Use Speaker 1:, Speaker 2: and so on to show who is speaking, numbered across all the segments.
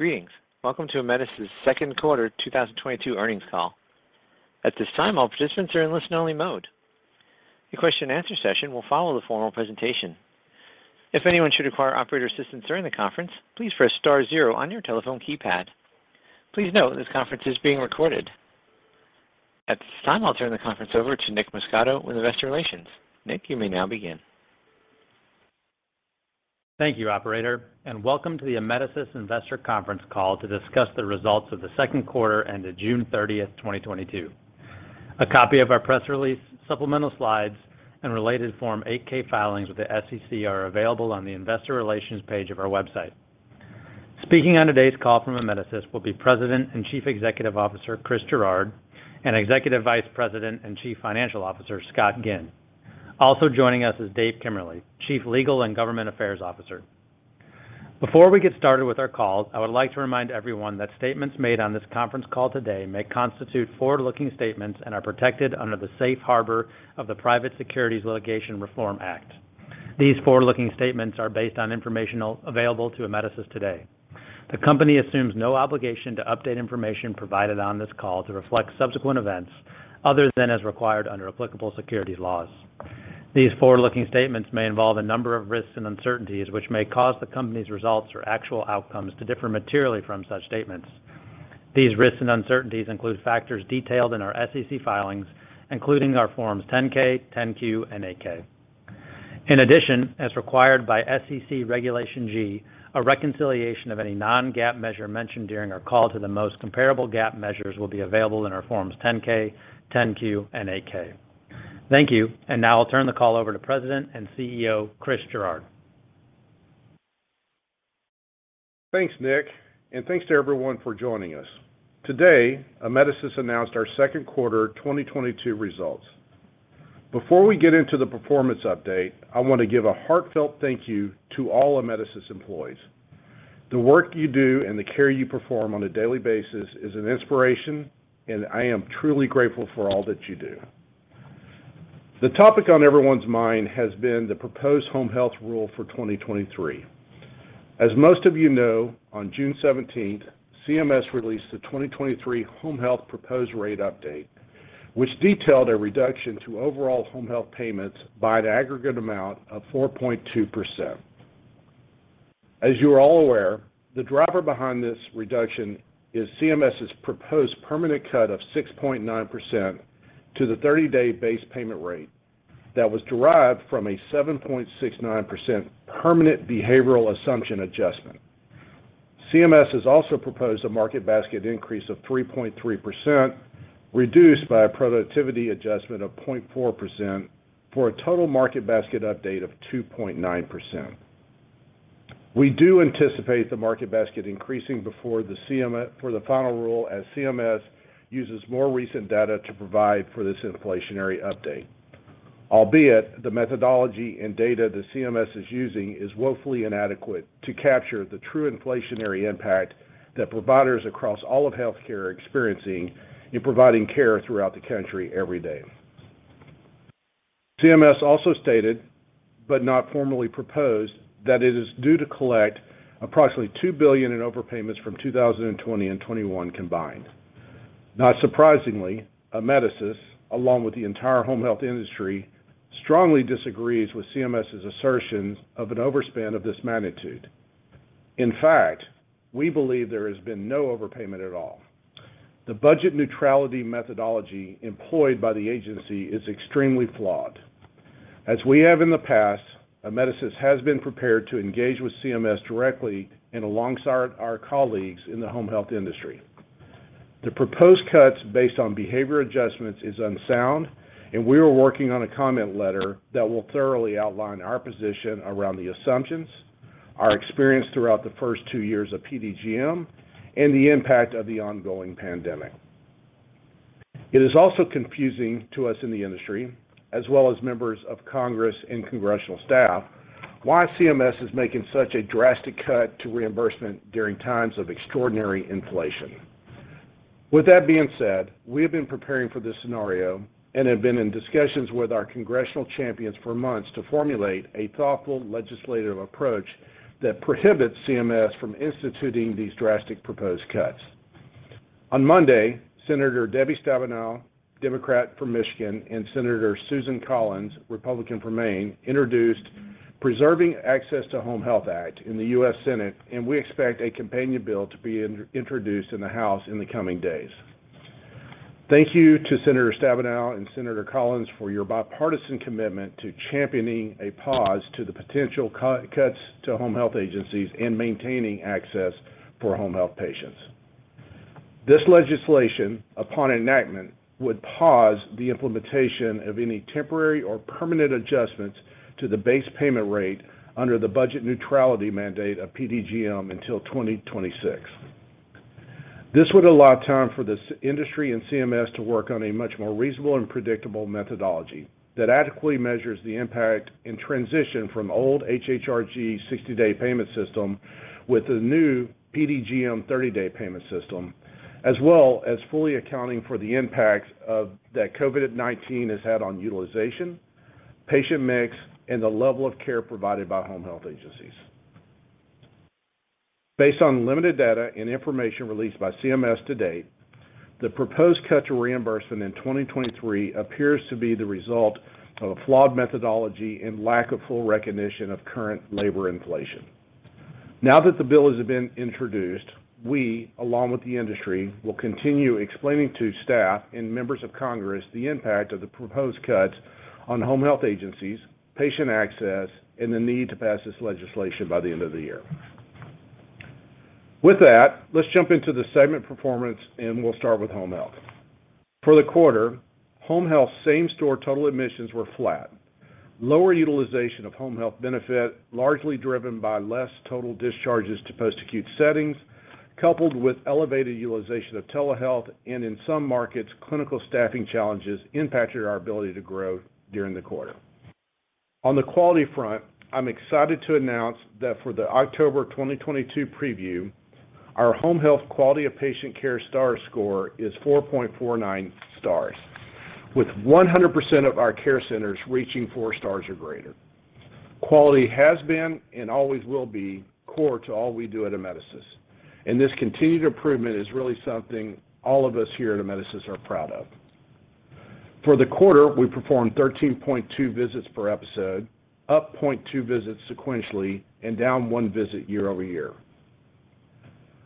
Speaker 1: Greetings. Welcome to Amedisys' second quarter 2022 earnings call. At this time, all participants are in listen-only mode. The question and answer session will follow the formal presentation. If anyone should require operator assistance during the conference, please press star zero on your telephone keypad. Please note this conference is being recorded. At this time, I'll turn the conference over to Nick Muscato with investor relations. Nick, you may now begin.
Speaker 2: Thank you, operator, and welcome to the Amedisys investor conference call to discuss the results of the second quarter and the June 30th, 2022. A copy of our press release, supplemental slides, and related Form 8-K filings with the SEC are available on the investor relations page of our website. Speaking on today's call from Amedisys will be President and Chief Executive Officer Christopher Gerard, and Executive Vice President and Chief Financial Officer Scott Ginn. Also joining us is David Kemmerly, Chief Legal and Government Affairs Officer. Before we get started with our call, I would like to remind everyone that statements made on this conference call today may constitute forward-looking statements and are protected under the safe harbor of the Private Securities Litigation Reform Act. These forward-looking statements are based on information available to Amedisys today. The company assumes no obligation to update information provided on this call to reflect subsequent events other than as required under applicable securities laws. These forward-looking statements may involve a number of risks and uncertainties which may cause the company's results or actual outcomes to differ materially from such statements. These risks and uncertainties include factors detailed in our SEC filings, including our Forms 10-K, 10-Q, and 8-K. In addition, as required by SEC Regulation G, a reconciliation of any non-GAAP measure mentioned during our call to the most comparable GAAP measures will be available in our Forms 10-K, 10-Q, and 8-K. Thank you. Now I'll turn the call over to President and CEO, Chris Gerard.
Speaker 3: Thanks, Nick, and thanks to everyone for joining us. Today, Amedisys announced our second quarter 2022 results. Before we get into the performance update, I want to give a heartfelt thank you to all Amedisys employees. The work you do and the care you perform on a daily basis is an inspiration, and I am truly grateful for all that you do. The topic on everyone's mind has been the proposed home health rule for 2023. As most of you know, on June seventeenth, CMS released the 2023 home health proposed rate update, which detailed a reduction to overall home health payments by an aggregate amount of 4.2%. As you are all aware, the driver behind this reduction is CMS's proposed permanent cut of 6.9% to the 30-day base payment rate that was derived from a 7.69% permanent behavioral assumption adjustment. CMS has also proposed a market basket increase of 3.3%, reduced by a productivity adjustment of 0.4% for a total market basket update of 2.9%. We do anticipate the market basket increasing for the final rule as CMS uses more recent data to provide for this inflationary update. Albeit, the methodology and data that CMS is using is woefully inadequate to capture the true inflationary impact that providers across all of healthcare are experiencing in providing care throughout the country every day. CMS also stated, but not formally proposed, that it is due to collect approximately $2 billion in overpayments from 2020 and 2021 combined. Not surprisingly, Amedisys, along with the entire home health industry, strongly disagrees with CMS's assertions of an overspend of this magnitude. In fact, we believe there has been no overpayment at all. The budget neutrality methodology employed by the agency is extremely flawed. As we have in the past, Amedisys has been prepared to engage with CMS directly and alongside our colleagues in the home health industry. The proposed cuts based on behavior adjustments is unsound, and we are working on a comment letter that will thoroughly outline our position around the assumptions, our experience throughout the first two years of PDGM, and the impact of the ongoing pandemic. It is also confusing to us in the industry, as well as members of Congress and congressional staff, why CMS is making such a drastic cut to reimbursement during times of extraordinary inflation. With that being said, we have been preparing for this scenario and have been in discussions with our congressional champions for months to formulate a thoughtful legislative approach that prohibits CMS from instituting these drastic proposed cuts. On Monday, Senator Debbie Stabenow, Democrat from Michigan, and Senator Susan Collins, Republican from Maine, introduced Preserving Access to Home Health Act in the U.S. Senate, and we expect a companion bill to be introduced in the House in the coming days. Thank you to Senator Stabenow and Senator Collins for your bipartisan commitment to championing a pause to the potential cuts to home health agencies and maintaining access for home health patients. This legislation, upon enactment, would pause the implementation of any temporary or permanent adjustments to the base payment rate under the budget neutrality mandate of PDGM until 2026. This would allow time for this industry and CMS to work on a much more reasonable and predictable methodology that adequately measures the impact and transition from old HHRG 60-day payment system with the new PDGM 30-day payment system, as well as fully accounting for the impacts that COVID-19 has had on utilization, patient mix, and the level of care provided by home health agencies. Based on limited data and information released by CMS to date, the proposed cut to reimbursement in 2023 appears to be the result of a flawed methodology and lack of full recognition of current labor inflation. Now that the bill has been introduced, we, along with the industry, will continue explaining to staff and members of Congress the impact of the proposed cuts on home health agencies, patient access, and the need to pass this legislation by the end of the year. With that, let's jump into the segment performance, and we'll start with home health. For the quarter, home health same-store total admissions were flat. Lower utilization of home health benefit, largely driven by less total discharges to post-acute settings, coupled with elevated utilization of telehealth and in some markets, clinical staffing challenges impacted our ability to grow during the quarter. On the quality front, I'm excited to announce that for the October 2022 preview, our home health quality of patient care star score is 4.49 stars, with 100% of our care centers reaching four stars or greater. Quality has been and always will be core to all we do at Amedisys, and this continued improvement is really something all of us here at Amedisys are proud of. For the quarter, we performed 13.2 visits per episode, up 0.2 visits sequentially and down 1 visit year-over-year.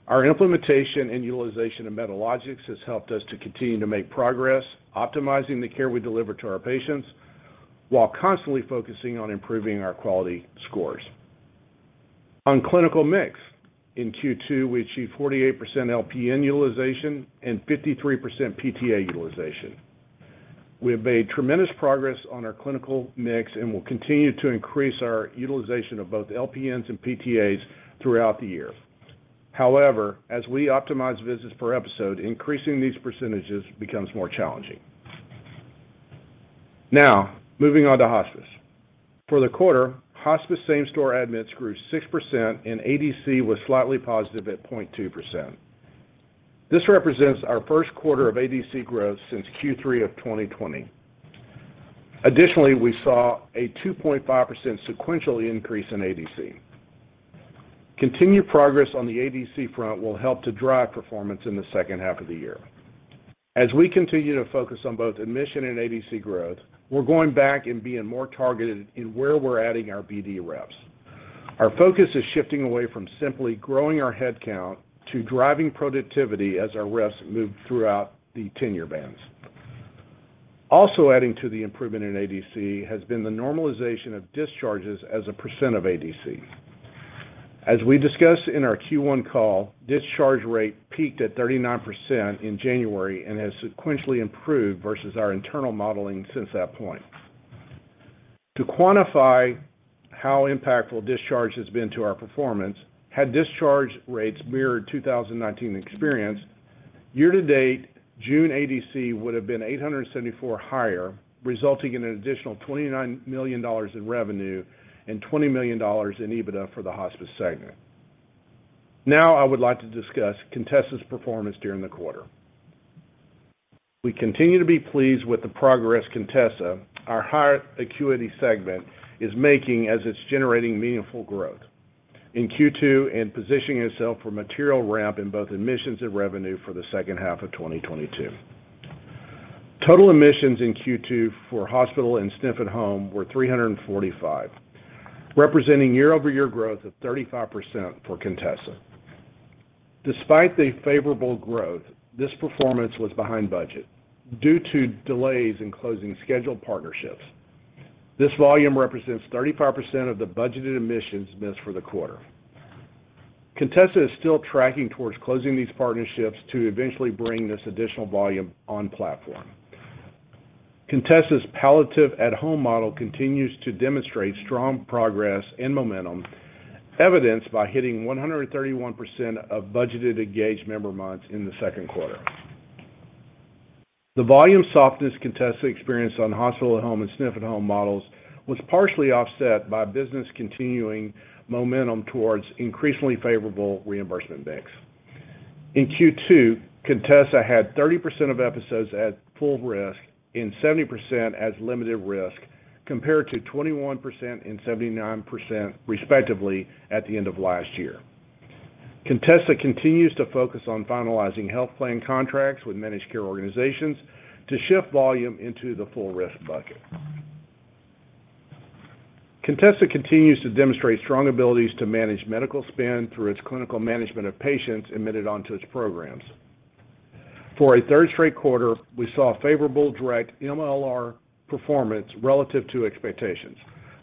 Speaker 3: Our implementation and utilization of Medalogix has helped us to continue to make progress optimizing the care we deliver to our patients while constantly focusing on improving our quality scores. On clinical mix, in Q2, we achieved 48% LPN utilization and 53% PTA utilization. We have made tremendous progress on our clinical mix and will continue to increase our utilization of both LPNs and PTAs throughout the year. However, as we optimize visits per episode, increasing these percentages becomes more challenging. Now, moving on to hospice. For the quarter, hospice same-store admits grew 6% and ADC was slightly positive at 0.2%. This represents our first quarter of ADC growth since Q3 of 2020. Additionally, we saw a 2.5% sequential increase in ADC. Continued progress on the ADC front will help to drive performance in the second half of the year. As we continue to focus on both admission and ADC growth, we're going back and being more targeted in where we're adding our BD reps. Our focus is shifting away from simply growing our head count to driving productivity as our reps move throughout the tenure bands. Also adding to the improvement in ADC has been the normalization of discharges as a percent of ADC. As we discussed in our Q1 call, discharge rate peaked at 39% in January and has sequentially improved versus our internal modeling since that point. To quantify how impactful discharge has been to our performance, had discharge rates mirrored 2019 experience, year-to-date June ADC would have been 874 higher, resulting in an additional $29 million in revenue and $20 million in EBITDA for the hospice segment. Now I would like to discuss Contessa's performance during the quarter. We continue to be pleased with the progress Contessa, our higher acuity segment, is making as it's generating meaningful growth in Q2 and positioning itself for material ramp in both admissions and revenue for the second half of 2022. Total admissions in Q2 for hospital and SNF at home were 345, representing year-over-year growth of 35% for Contessa. Despite the favorable growth, this performance was behind budget due to delays in closing scheduled partnerships. This volume represents 35% of the budgeted admissions missed for the quarter. Contessa is still tracking towards closing these partnerships to eventually bring this additional volume on platform. Contessa's palliative at-home model continues to demonstrate strong progress and momentum, evidenced by hitting 131% of budgeted engaged member months in the second quarter. The volume softness Contessa experienced on hospital at home and SNF at home models was partially offset by business continuing momentum towards increasingly favorable reimbursement mix. In Q2, Contessa had 30% of episodes at full risk and 70% as limited risk, compared to 21% and 79% respectively at the end of last year. Contessa continues to focus on finalizing health plan contracts with managed care organizations to shift volume into the full risk bucket. Contessa continues to demonstrate strong abilities to manage medical spend through its clinical management of patients admitted onto its programs. For a third straight quarter, we saw favorable direct MLR performance relative to expectations,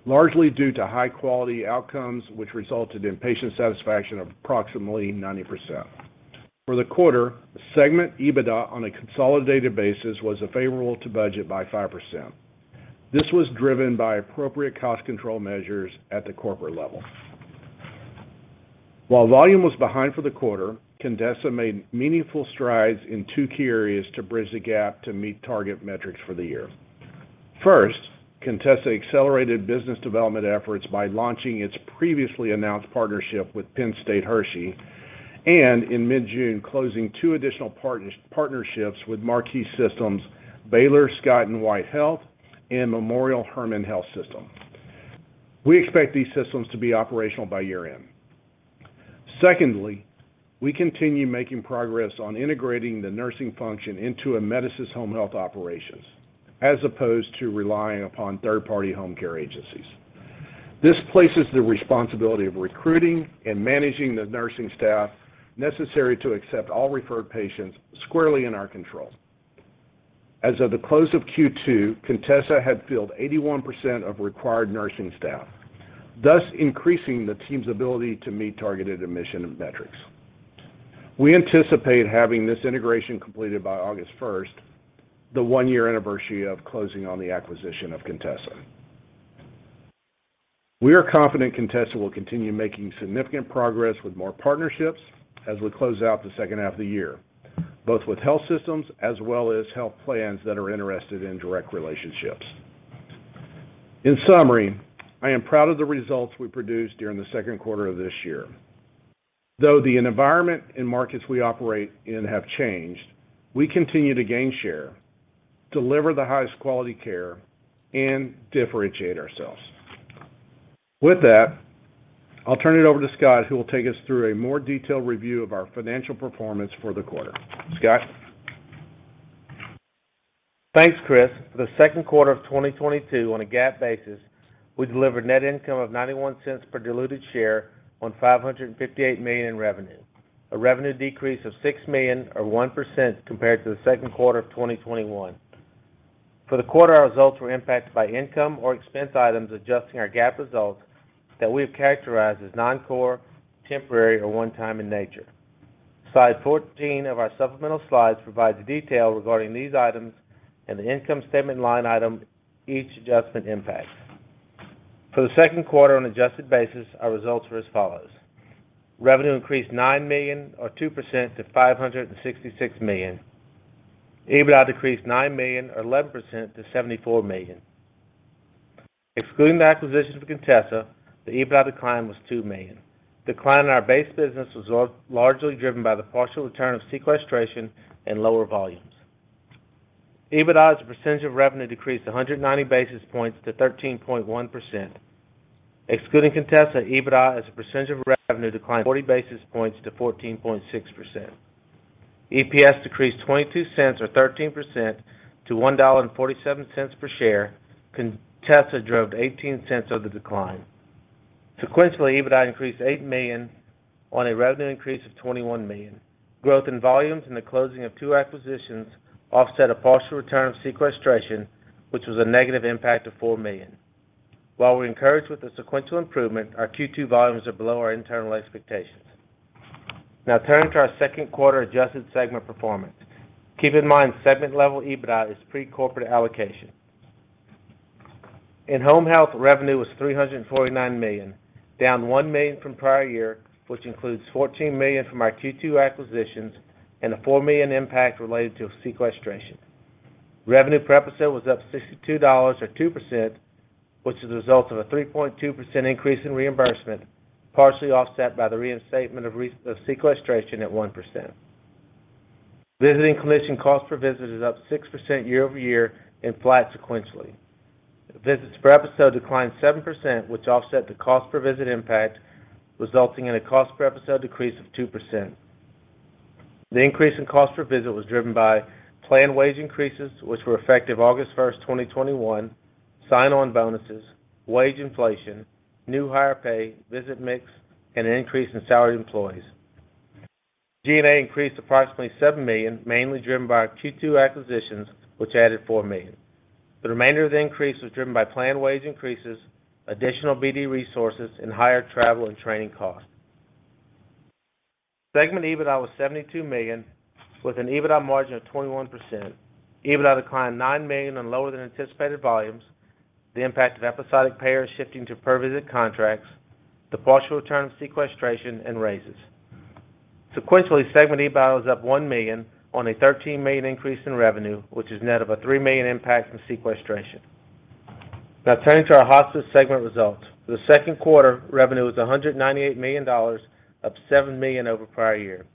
Speaker 3: largely due to high-quality outcomes which resulted in patient satisfaction of approximately 90%. For the quarter, segment EBITDA on a consolidated basis was favorable to budget by 5%. This was driven by appropriate cost control measures at the corporate level. While volume was behind for the quarter, Contessa made meaningful strides in two key areas to bridge the gap to meet target metrics for the year. First, Contessa accelerated business development efforts by launching its previously announced partnership with Penn State Hershey. And in mid-June, closing two additional partnerships with Marquee Health Systems, Baylor Scott & White Health, and Memorial Hermann Health System. We expect these systems to be operational by year-end. Secondly, we continue making progress on integrating the nursing function into Amedisys Home Health operations, as opposed to relying upon third-party home care agencies. This places the responsibility of recruiting and managing the nursing staff necessary to accept all referred patients squarely in our control. As of the close of Q2, Contessa had filled 81% of required nursing staff, thus increasing the team's ability to meet targeted admission and metrics. We anticipate having this integration completed by August 1st, the one-year anniversary of closing on the acquisition of Contessa. We are confident Contessa will continue making significant progress with more partnerships as we close out the second half of the year, both with health systems as well as health plans that are interested in direct relationships. In summary, I am proud of the results we produced during the second quarter of this year. Though the environment and markets we operate in have changed, we continue to gain share, deliver the highest quality care, and differentiate ourselves. With that, I'll turn it over to Scott, who will take us through a more detailed review of our financial performance for the quarter. Scott?
Speaker 4: Thanks, Chris. For the second quarter of 2022, on a GAAP basis, we delivered net income of $0.91 per diluted share on $558 million in revenue, a revenue decrease of $6 million or 1% compared to the second quarter of 2021. For the quarter, our results were impacted by income or expense items adjusting our GAAP results that we have characterized as non-core, temporary, or one-time in nature. Slide 14 of our supplemental slides provides detail regarding these items and the income statement line item each adjustment impacts. For the second quarter on an adjusted basis, our results were as follows: Revenue increased $9 million or 2% to $566 million. EBITDA decreased $9 million or 11%-$74 million. Excluding the acquisition of Contessa, the EBITDA decline was $2 million. Decline in our base business was largely driven by the partial return of sequestration and lower volumes. EBITDA as a percentage of revenue decreased 190 basis points to 13.1%. Excluding Contessa, EBITDA as a percentage of revenue declined 40 basis points to 14.6%. EPS decreased $0.22 or 13%-$1.47 per share. Contessa drove $0.18 of the decline. Sequentially, EBITDA increased $8 million on a revenue increase of $21 million. Growth in volumes and the closing of two acquisitions offset a partial return of sequestration, which was a negative impact of $4 million. While we're encouraged with the sequential improvement, our Q2 volumes are below our internal expectations. Now turning to our second quarter adjusted segment performance. Keep in mind, segment-level EBITDA is pre-corporate allocation. In home health, revenue was $349 million, down $1 million from prior year, which includes $14 million from our Q2 acquisitions and a $4 million impact related to a sequestration. Revenue per episode was up $62 or 2%, which is a result of a 3.2% increase in reimbursement, partially offset by the reinstatement of sequestration at 1%. Visiting clinician cost per visit is up 6% year-over-year and flat sequentially. Visits per episode declined 7%, which offset the cost per visit impact, resulting in a cost per episode decrease of 2%. The increase in cost per visit was driven by planned wage increases, which were effective August 1st, 2021, sign-on bonuses, wage inflation, new hire pay, visit mix, and an increase in salaried employees. G&A increased approximately $7 million, mainly driven by our Q2 acquisitions, which added $4 million. The remainder of the increase was driven by planned wage increases, additional BD resources, and higher travel and training costs. Segment EBITDA was $72 million, with an EBITDA margin of 21%. EBITDA declined $9 million on lower than anticipated volumes, the impact of episodic payers shifting to per visit contracts, the partial return of sequestration and raises. Sequentially, segment EBITDA was up $1 million on a $13 million increase in revenue, which is net of a $3 million impact from sequestration. Now turning to our hospice segment results. For the second quarter, revenue was $198 million, up $7 million over prior year.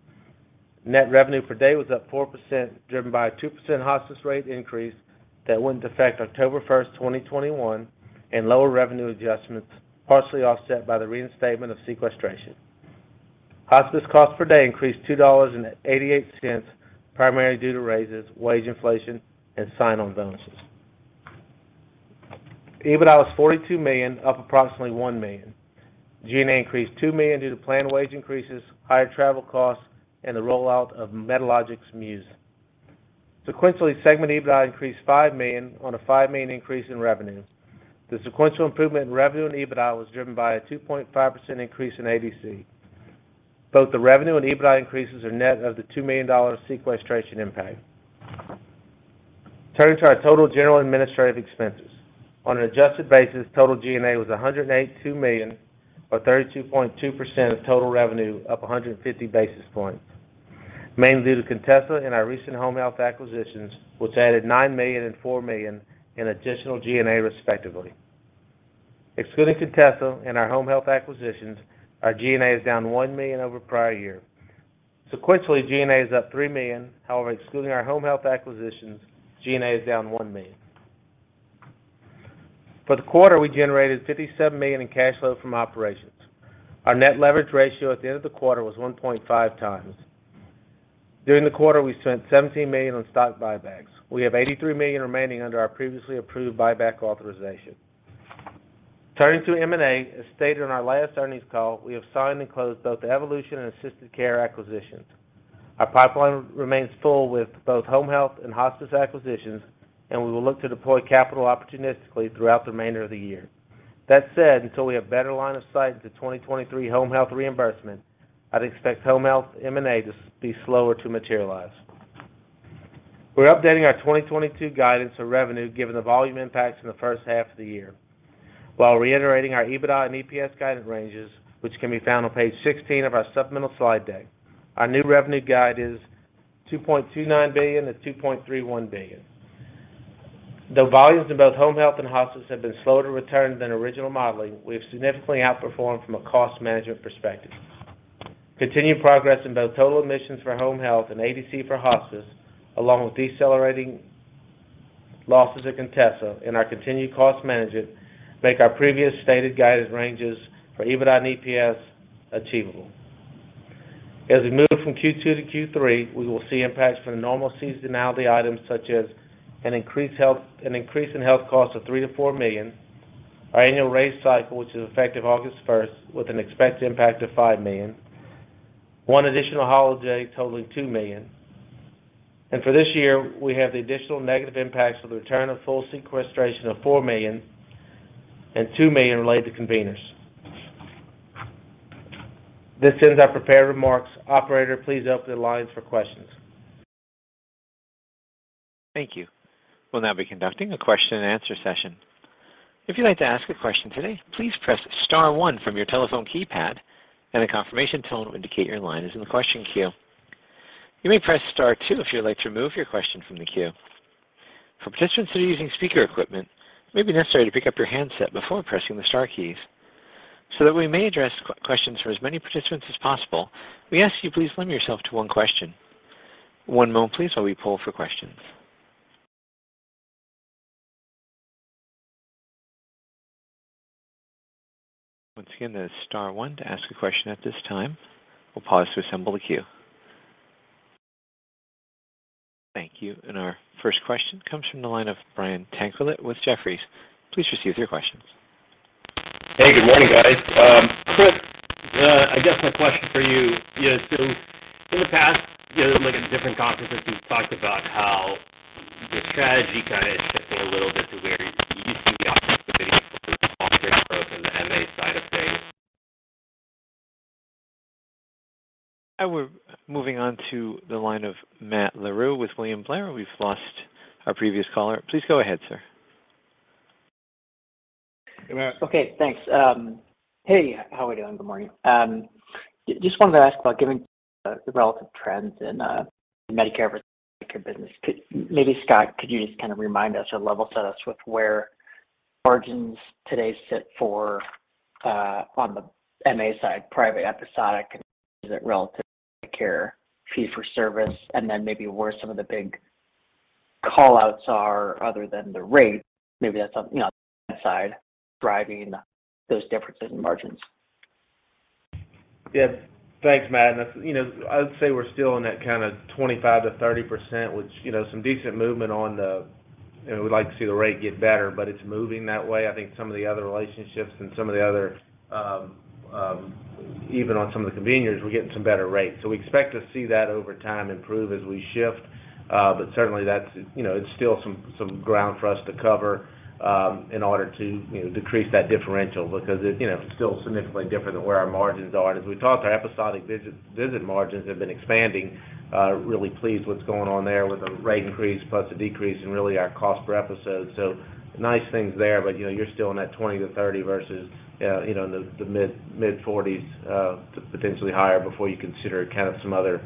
Speaker 4: Net revenue per day was up 4%, driven by a 2% hospice rate increase that went in effect October 1, 2021, and lower revenue adjustments, partially offset by the reinstatement of sequestration. Hospice cost per day increased $2.88, primarily due to raises, wage inflation, and sign-on bonuses. EBITDA was $42 million, up approximately $1 million. G&A increased $2 million due to planned wage increases, higher travel costs, and the rollout of Medalogix Muse. Sequentially, segment EBITDA increased $5 million on a $5 million increase in revenue. The sequential improvement in revenue and EBITDA was driven by a 2.5% increase in ADC. Both the revenue and EBITDA increases are net of the $2 million of sequestration impact. Turning to our total general and administrative expenses. On an adjusted basis, total G&A was $182 million, or 32.2% of total revenue up 150 basis points, mainly due to Contessa and our recent home health acquisitions, which added $9 million and $4 million in additional G&A respectively. Excluding Contessa and our home health acquisitions, our G&A is down $1 million over prior year. Sequentially, G&A is up $3 million. However, excluding our home health acquisitions, G&A is down $1 million. For the quarter, we generated $57 million in cash flow from operations. Our net leverage ratio at the end of the quarter was 1.5 times. During the quarter, we spent $17 million on stock buybacks. We have $83 million remaining under our previously approved buyback authorization. Turning to M&A, as stated on our last earnings call, we have signed and closed both the Evolution and Assisted Care acquisitions. Our pipeline remains full with both home health and hospice acquisitions, and we will look to deploy capital opportunistically throughout the remainder of the year. That said, until we have better line of sight into 2023 home health reimbursement, I'd expect home health M&A to be slower to materialize. We're updating our 2022 guidance of revenue given the volume impacts in the first half of the year, while reiterating our EBITDA and EPS guidance ranges, which can be found on page 16 of our supplemental slide deck. Our new revenue guide is $2.29 billion-$2.31 billion. Though volumes in both home health and hospice have been slower to return than original modeling, we have significantly outperformed from a cost management perspective. Continued progress in both total admissions for home health and ADC for hospice, along with decelerating losses at Contessa and our continued cost management, make our previous stated guidance ranges for EBITDA and EPS achievable. As we move from Q2 to Q3, we will see impacts from the normal seasonality items, such as an increase in health costs of $3 million-$4 million, our annual raise cycle, which is effective August first, with an expected impact of $5 million, one additional holiday totaling $2 million, and for this year, we have the additional negative impacts of the return of full sequestration of $4 million and $2 million related to conveners. This ends our prepared remarks. Operator, please open the lines for questions.
Speaker 1: Thank you. We'll now be conducting a question and answer session. If you'd like to ask a question today, please press star one from your telephone keypad, and a confirmation tone will indicate your line is in the question queue. You may press star two if you'd like to remove your question from the queue. For participants that are using speaker equipment, it may be necessary to pick up your handset before pressing the star keys. So that we may address questions for as many participants as possible, we ask you please limit yourself to one question. One moment, please, while we poll for questions. Once again, that is star one to ask a question at this time. We'll pause to assemble the queue. Thank you. Our first question comes from the line of Brian Tanquilut with Jefferies. Please proceed with your question.
Speaker 5: Hey, good morning, guys. Chris, I guess my question for you is, in the past, you know, like at different conferences, you've talked about how the strategy kind of shifted a little bit to where you see the opportunity for some progress both in the MA side of things-
Speaker 1: We're moving on to the line of Matt Larew with William Blair. We've lost our previous caller. Please go ahead, sir.
Speaker 4: Hey, Matt.
Speaker 6: Okay, thanks. Hey, how we doing? Good morning. Just wanted to ask about the relative trends in Medicare versus MA business. Maybe, Scott, could you just kinda remind us or level set us with where margins today sit for on the MA side, private episodic versus retail care, fee-for-service, and then maybe where some of the big call-outs are other than the rate. Maybe that's something, you know, on the front side driving those differences in margins.
Speaker 4: Yeah. Thanks, Matt. That's, you know, I would say we're still in that kinda 25%-30%, which, you know, some decent movement on the, you know, we'd like to see the rate get better, but it's moving that way. I think some of the other relationships and some of the other, even on some of the conveners, we're getting some better rates. We expect to see that over time improve as we shift. But certainly that's, you know, it's still some ground for us to cover, in order to, you know, decrease that differential because it, you know, it's still significantly different than where our margins are. As we talked, our episodic visit margins have been expanding, really pleased what's going on there with the rate increase plus a decrease in really our cost per episode. Nice things there, but, you know, you're still in that 20%-30% versus, you know, the mid-40s% to potentially higher before you consider kind of some other,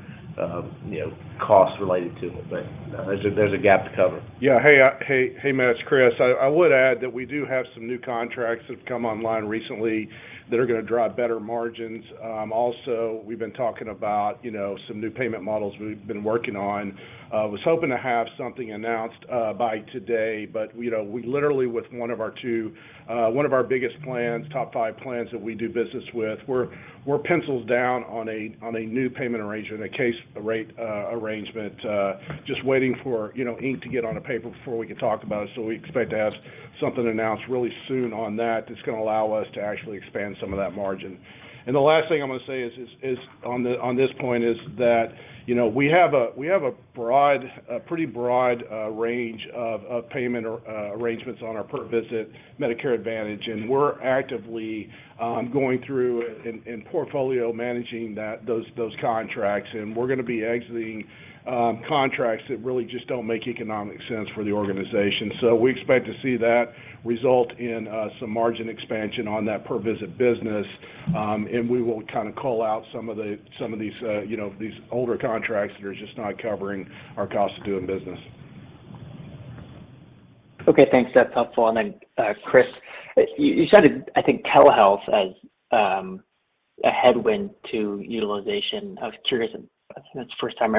Speaker 4: you know, costs related to it. There's a gap to cover.
Speaker 3: Yeah. Hey, Matt, it's Chris. I would add that we do have some new contracts that have come online recently that are gonna drive better margins. Also, we've been talking about, you know, some new payment models we've been working on. Was hoping to have something announced by today, but, you know, we literally with one of our two, one of our biggest plans, top five plans that we do business with, we're pencils down on a new payment arrangement, a case rate arrangement, just waiting for, you know, ink to get on paper before we can talk about it. We expect to have something announced really soon on that that's gonna allow us to actually expand some of that margin. The last thing I'm gonna say is on this point is that, you know, we have a broad, a pretty broad range of payment arrangements on our per visit Medicare Advantage, and we're actively going through and portfolio managing those contracts. We're gonna be exiting contracts that really just don't make economic sense for the organization. We expect to see that result in some margin expansion on that per visit business, and we will kind of call out some of these, you know, these older contracts that are just not covering our cost of doing business.
Speaker 6: Okay, thanks. That's helpful. Chris, you cited, I think, telehealth as a headwind to utilization. I was curious, and I think that's the first time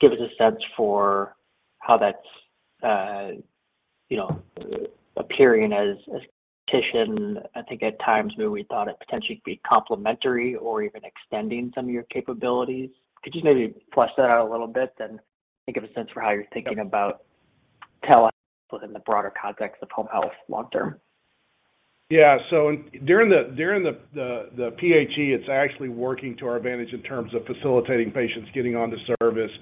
Speaker 6: I remember you citing it. Just give us a sense for how that's you know, appearing as competition, I think, at times where we thought it potentially could be complementary or even extending some of your capabilities. Could you maybe flesh that out a little bit and think of a sense for how you're thinking about telehealth within the broader context of home health long term?
Speaker 3: Yeah. During the PHE, it's actually working to our advantage in terms of facilitating patients getting onto service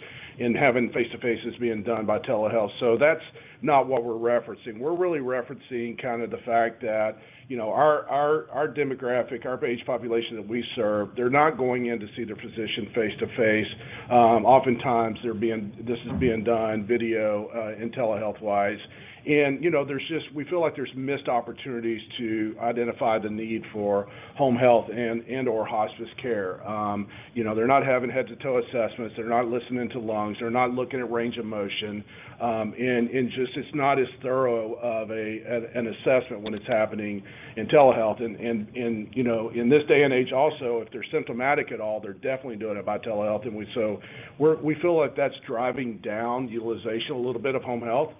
Speaker 3: and having face-to-faces being done by telehealth. That's not what we're referencing. We're really referencing kind of the fact that, you know, our demographic, our age population that we serve, they're not going in to see their physician face to face. Oftentimes this is being done via video and telehealth-wise. You know, we feel like there's missed opportunities to identify the need for home health and/or hospice care. You know, they're not having head-to-toe assessments. They're not listening to lungs. They're not looking at range of motion. Just it's not as thorough of an assessment when it's happening in telehealth. You know, in this day and age also, if they're symptomatic at all, they're definitely doing it by telehealth. We feel like that's driving down utilization a little bit of home health.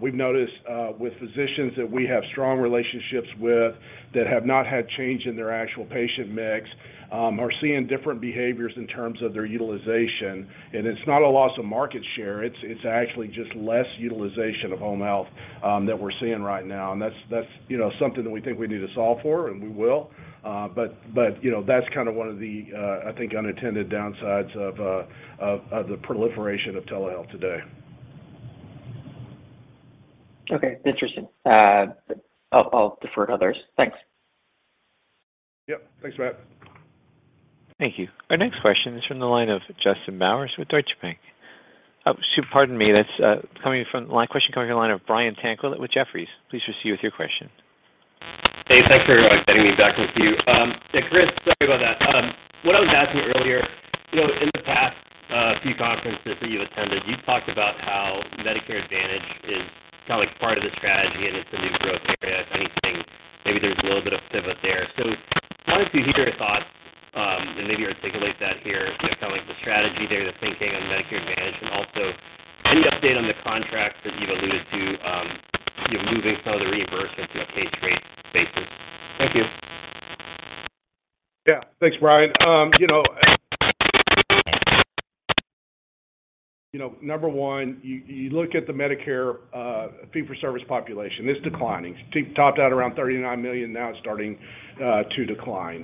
Speaker 3: We've noticed with physicians that we have strong relationships with that have not had change in their actual patient mix are seeing different behaviors in terms of their utilization. It's not a loss of market share. It's actually just less utilization of home health that we're seeing right now. That's you know something that we think we need to solve for, and we will. You know, that's kind of one of the I think unintended downsides of the proliferation of telehealth today.
Speaker 6: Okay. Interesting. I'll defer to others. Thanks.
Speaker 3: Yep. Thanks, Matt.
Speaker 1: Thank you. Our next question is from the line of Justin Bowers with Deutsche Bank. Oh, pardon me. That's question coming from the line of Brian Tanquilut with Jefferies. Please proceed with your question.
Speaker 5: Hey, thanks for getting me back with you. Yeah, Chris, sorry about that. What I was asking earlier, you know, in the past few conferences that you've attended, you talked about how Medicare Advantage is kind of like part of the strategy and it's a new growth area. If anything, maybe there's a little bit of pivot there. So I wanted to hear your thoughts, and maybe articulate that here, you know, kind of like the strategy there, the thinking on Medicare Advantage, and also any update on the contracts that you've alluded to, you know, moving some of the reimbursement to a case rate basis. Thank you.
Speaker 3: Yeah. Thanks, Brian. You know, number one, you look at the Medicare fee-for-service population, it's declining. It's topped out around 39 million, now it's starting to decline.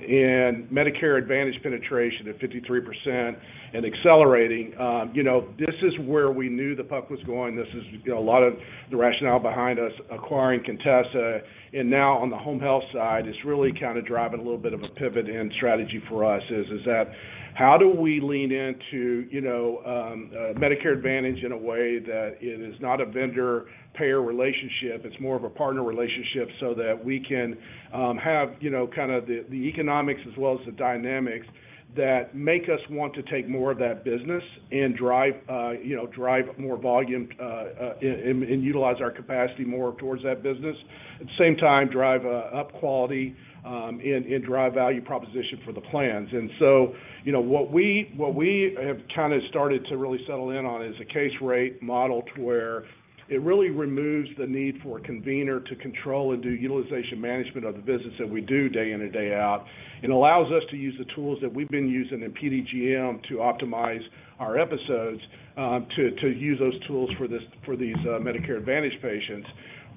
Speaker 3: Medicare Advantage penetration at 53% and accelerating. You know, this is where we knew the puck was going. This is, you know, a lot of the rationale behind us acquiring Contessa. Now on the home health side, it's really kinda driving a little bit of a pivot in strategy for us, is that how do we lean into, you know, Medicare Advantage in a way that it is not a vendor-payer relationship. It's more of a partner relationship so that we can have, you know, kinda the economics as well as the dynamics that make us want to take more of that business and drive, you know, drive more volume, and utilize our capacity more towards that business. At the same time, drive up quality, and drive value proposition for the plans. You know, what we have kinda started to really settle in on is a case rate model to where it really removes the need for a convener to control and do utilization management of the business that we do day in and day out, and allows us to use the tools that we've been using in PDGM to optimize our episodes, to use those tools for these Medicare Advantage patients.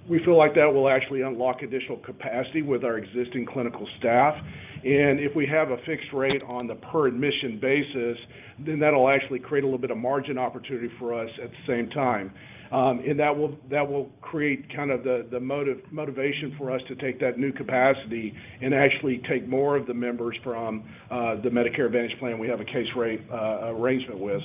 Speaker 3: We feel like that will actually unlock additional capacity with our existing clinical staff. If we have a fixed rate on the per admission basis, then that'll actually create a little bit of margin opportunity for us at the same time. That will create kind of the motivation for us to take that new capacity and actually take more of the members from the Medicare Advantage plan we have a case rate arrangement with.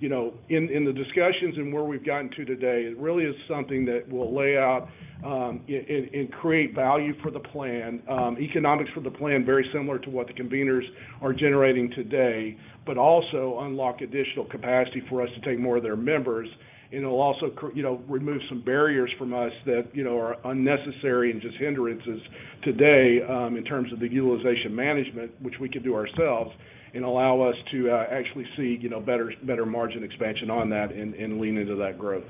Speaker 3: You know, in the discussions and where we've gotten to today, it really is something that will lay out and create value for the plan, economics for the plan, very similar to what the conveners are generating today, but also unlock additional capacity for us to take more of their members. It'll also, you know, remove some barriers from us that, you know, are unnecessary and just hindrances today, in terms of the utilization management, which we can do ourselves and allow us to actually see, you know, better margin expansion on that and lean into that growth.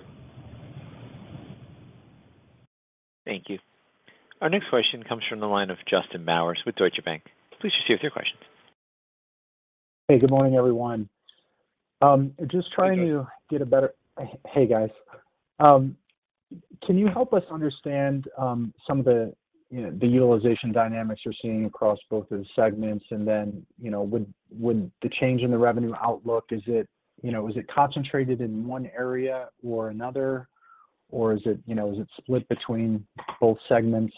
Speaker 1: Thank you. Our next question comes from the line of Justin Bowers with Deutsche Bank. Please proceed with your questions.
Speaker 7: Hey, good morning, everyone.
Speaker 3: Hey, Justin.
Speaker 6: Hey, guys. Can you help us understand some of the, you know, the utilization dynamics you're seeing across both of the segments? Then, you know, would the change in the revenue outlook, is it, you know, is it concentrated in one area or another, or is it, you know, is it split between both segments?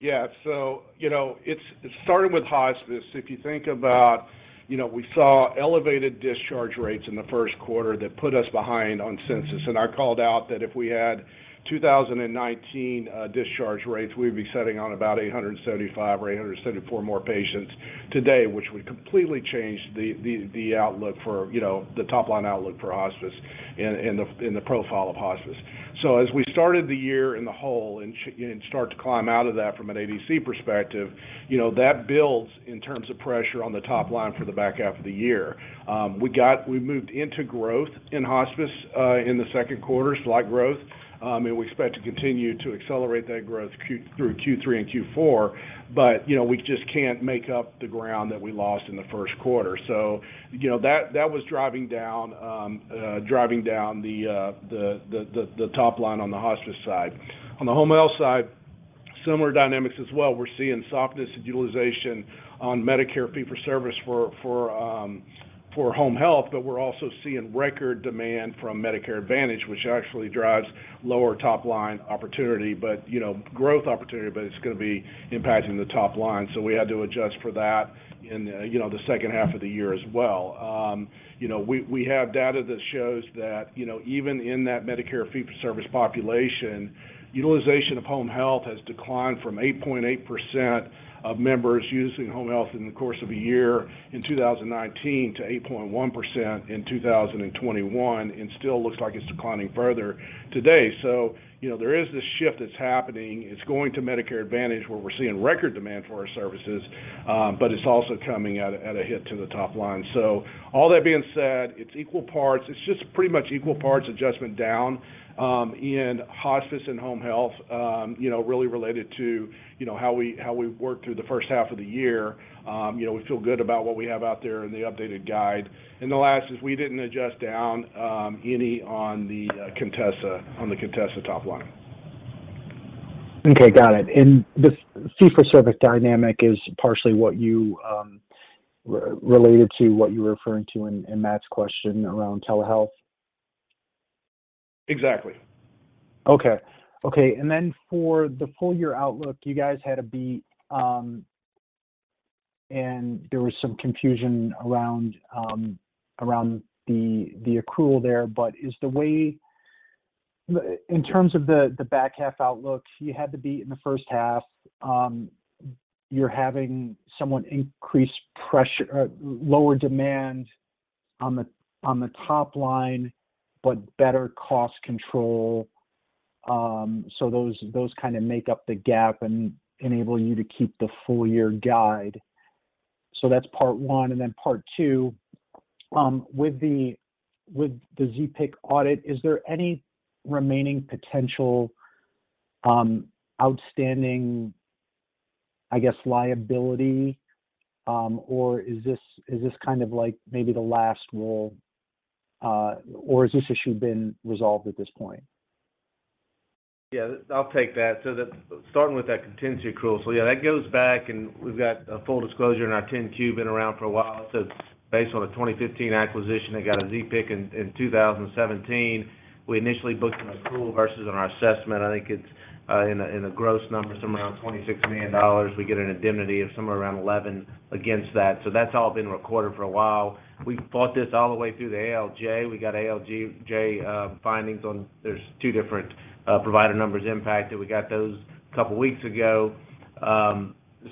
Speaker 3: Yeah. It started with hospice. If you think about, we saw elevated discharge rates in the first quarter that put us behind on census. I called out that if we had 2019 discharge rates, we'd be sitting on about 875 or 874 more patients today, which would completely change the outlook for the top line outlook for hospice and the profile of hospice. As we started the year in the hole and start to climb out of that from an ADC perspective, that builds in terms of pressure on the top line for the back half of the year. We moved into growth in hospice in the second quarter, slight growth. We expect to continue to accelerate that growth through Q3 and Q4, but, you know, we just can't make up the ground that we lost in the first quarter. You know, that was driving down the top line on the hospice side. On the home health side, similar dynamics as well. We're seeing softness in utilization on Medicare fee-for-service for home health, but we're also seeing record demand from Medicare Advantage, which actually drives lower top line opportunity, but, you know, growth opportunity, but it's gonna be impacting the top line. We had to adjust for that in the second half of the year as well. You know, we have data that shows that, you know, even in that Medicare fee-for-service population, utilization of home health has declined from 8.8% of members using home health in the course of a year in 2019 to 8.1% in 2021, and still looks like it's declining further today. You know, there is this shift that's happening. It's going to Medicare Advantage, where we're seeing record demand for our services, but it's also coming at a hit to the top line. All that being said, it's equal parts. It's just pretty much equal parts adjustment down in hospice and home health, you know, really related to, you know, how we worked through the first half of the year. You know, we feel good about what we have out there in the updated guide. The last is we didn't adjust down any on the Contessa top line.
Speaker 7: This fee-for-service dynamic is partially what you related to what you were referring to in Matt's question around telehealth?
Speaker 3: Exactly.
Speaker 7: Okay. For the full year outlook, you guys had a beat, and there was some confusion around the accrual there. In terms of the back half outlook, you had the beat in the first half. You're having somewhat increased pressure, lower demand on the top line, but better cost control. Those kind of make up the gap and enable you to keep the full year guide. That's part one. Part two, with the ZPIC audit, is there any remaining potential outstanding, I guess, liability, or is this kind of like maybe the last roll, or has this issue been resolved at this point?
Speaker 4: Yeah, I'll take that. Starting with that contingency accrual. Yeah, that goes back, and we've got a full disclosure in our 10-Q, been around for a while. Based on a 2015 acquisition that got a ZPIC in 2017, we initially booked an accrual versus on our assessment. I think it's in a gross number, somewhere around $26 million. We get an indemnity of somewhere around $11 million against that. That's all been recorded for a while. We fought this all the way through the ALJ. We got ALJ findings. There's two different provider numbers impacted. We got those a couple weeks ago.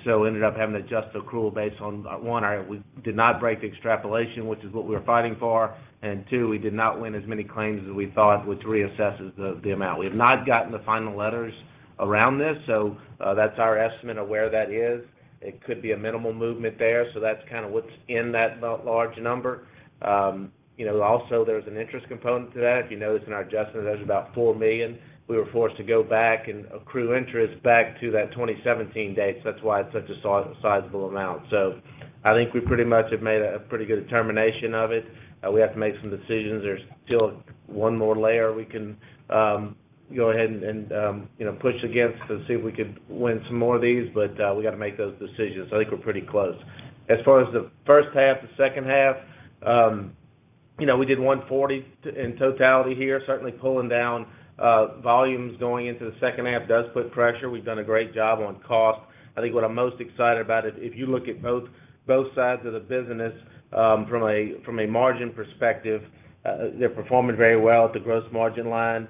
Speaker 4: Ended up having to adjust the accrual based on we did not break the extrapolation, which is what we were fighting for. Two, we did not win as many claims as we thought, which reassesses the amount. We have not gotten the final letters around this, so that's our estimate of where that is. It could be a minimal movement there, so that's kinda what's in that large number. You know, also there's an interest component to that. If you notice in our adjustment, there's about $4 million. We were forced to go back and accrue interest back to that 2017 date, so that's why it's such a sizable amount. I think we pretty much have made a pretty good determination of it. We have to make some decisions. There's still one more layer we can go ahead and push against to see if we could win some more of these, but we gotta make those decisions. I think we're pretty close. As far as the first half, the second half, we did 140 in totality here. Certainly pulling down volumes going into the second half does put pressure. We've done a great job on cost. I think what I'm most excited about is if you look at both sides of the business, from a margin perspective, they're performing very well at the gross margin line.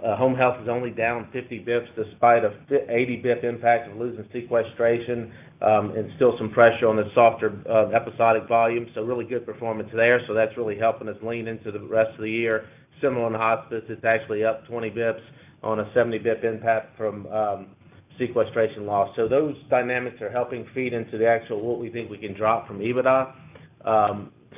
Speaker 4: Home health is only down 50 basis points despite a 80 basis points impact of losing sequestration, and still some pressure on the softer episodic volume. Really good performance there. That's really helping us lean into the rest of the year. Similar in the hospice, it's actually up 20 basis points on a 70 basis points impact from sequestration loss. Those dynamics are helping feed into the actual what we think we can drop from EBITDA.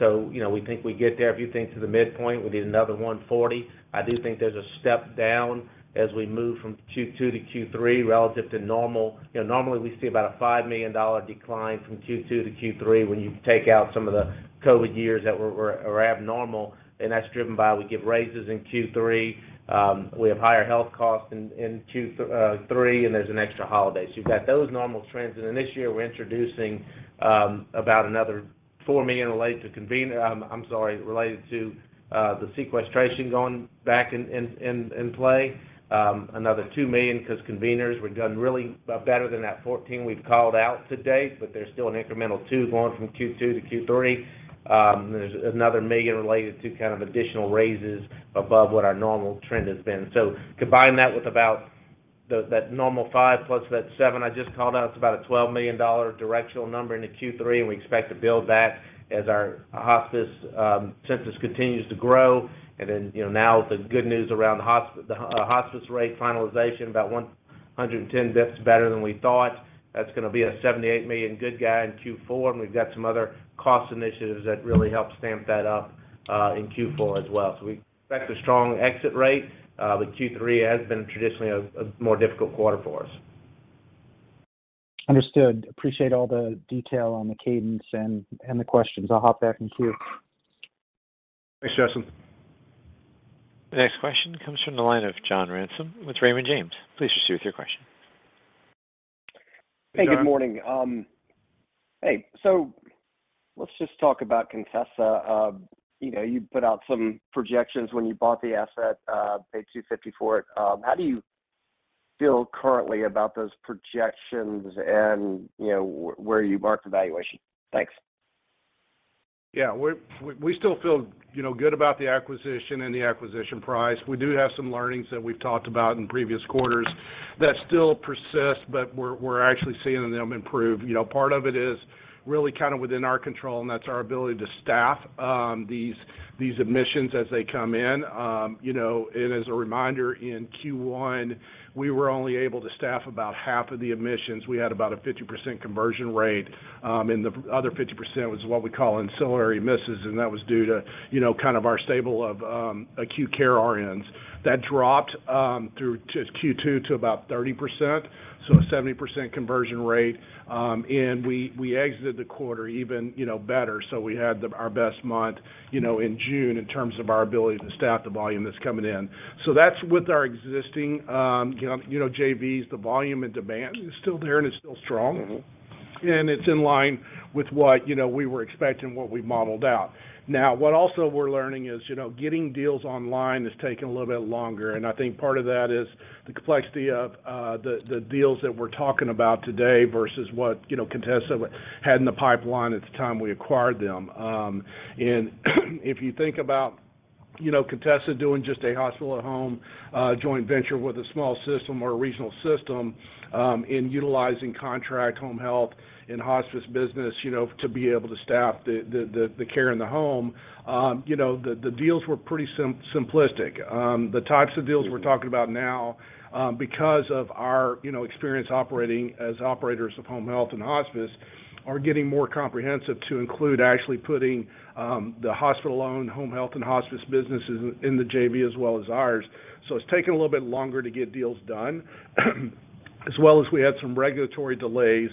Speaker 4: You know, we think we get there if you think to the midpoint, we'll get another $140. I do think there's a step down as we move from Q2 to Q3 relative to normal. You know, normally we see about a $5 million decline from Q2 to Q3 when you take out some of the COVID years that were abnormal, and that's driven by we give raises in Q3. We have higher health costs in Q3, and there's an extra holiday. You've got those normal trends. Then this year we're introducing about another $4 million related to the sequestration going back in play. Another $2 million because conveners, we've done really better than that $14 we've called out to date, but there's still an incremental $2 going from Q2 to Q3. There's another $1 million related to kind of additional raises above what our normal trend has been. Combine that with about That normal five plus that seven I just called out, it's about a $12 million directional number into Q3, and we expect to build that as our hospice census continues to grow. You know, now with the good news around the hospice rate finalization, about 110 basis points better than we thought, that's gonna be a $78 million tailwind in Q4, and we've got some other cost initiatives that really help ramp that up in Q4 as well. We expect a strong exit rate, but Q3 has been traditionally a more difficult quarter for us.
Speaker 7: Understood. Appreciate all the detail on the cadence and the questions. I'll hop back in queue.
Speaker 3: Thanks, Justin.
Speaker 1: The next question comes from the line of John Ransom with Raymond James. Please proceed with your question. John?
Speaker 8: Hey, good morning. Hey, let's just talk about Contessa. You know, you put out some projections when you bought the asset, paid $250 for it. How do you feel currently about those projections and, you know, where you marked the valuation? Thanks.
Speaker 3: Yeah. We still feel, you know, good about the acquisition and the acquisition price. We do have some learnings that we've talked about in previous quarters that still persist, but we're actually seeing them improve. You know, part of it is really kind of within our control, and that's our ability to staff these admissions as they come in. You know, and as a reminder, in Q1, we were only able to staff about half of the admissions. We had about a 50% conversion rate, and the other 50% was what we call ancillary misses, and that was due to, you know, kind of our stable of acute care RNs. That dropped through to Q2 to about 30%, so a 70% conversion rate. We exited the quarter even, you know, better. We had our best month, you know, in June in terms of our ability to staff the volume that's coming in. That's with our existing, you know, JVs. The volume and demand is still there and it's still strong.
Speaker 8: Mm-hmm.
Speaker 3: It's in line with what, you know, we were expecting, what we modeled out. Now, what also we're learning is, you know, getting deals online is taking a little bit longer. I think part of that is the complexity of the deals that we're talking about today versus what, you know, Contessa had in the pipeline at the time we acquired them. If you think about, you know, Contessa doing just a hospital at home joint venture with a small system or a regional system in utilizing contract home health and hospice business, you know, to be able to staff the care in the home, you know, the deals were pretty simplistic. The types of deals we're talking about now, because of our, you know, experience operating as operators of home health and hospice, are getting more comprehensive to include actually putting the hospital-owned home health and hospice businesses in the JV as well as ours. It's taking a little bit longer to get deals done, as well as we had some regulatory delays,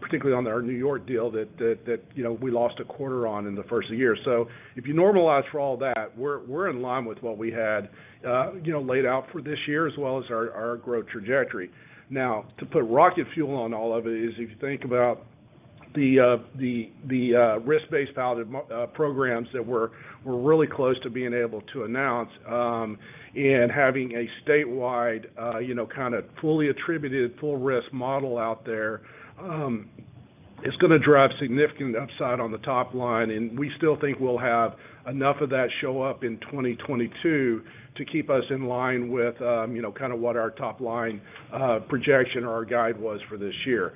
Speaker 3: particularly on our New York deal that, you know, we lost a quarter on in the first of the year. If you normalize for all that, we're in line with what we had, you know, laid out for this year as well as our growth trajectory. Now, to put rocket fuel on all of it is if you think about the risk-based palliative programs that we're really close to being able to announce and having a statewide, you know, kinda fully attributed full risk model out there is gonna drive significant upside on the top line. We still think we'll have enough of that show up in 2022 to keep us in line with, you know, kinda what our top line projection or our guide was for this year.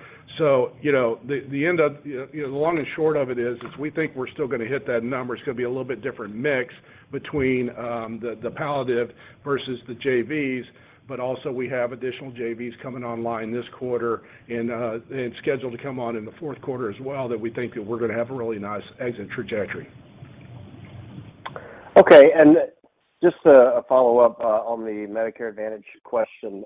Speaker 3: You know, the long and short of it is we think we're still gonna hit that number. It's gonna be a little bit different mix between the palliative versus the JVs, but also we have additional JVs coming online this quarter and scheduled to come on in the fourth quarter as well that we think that we're gonna have a really nice exit trajectory.
Speaker 8: Okay. Just a follow-up on the Medicare Advantage question.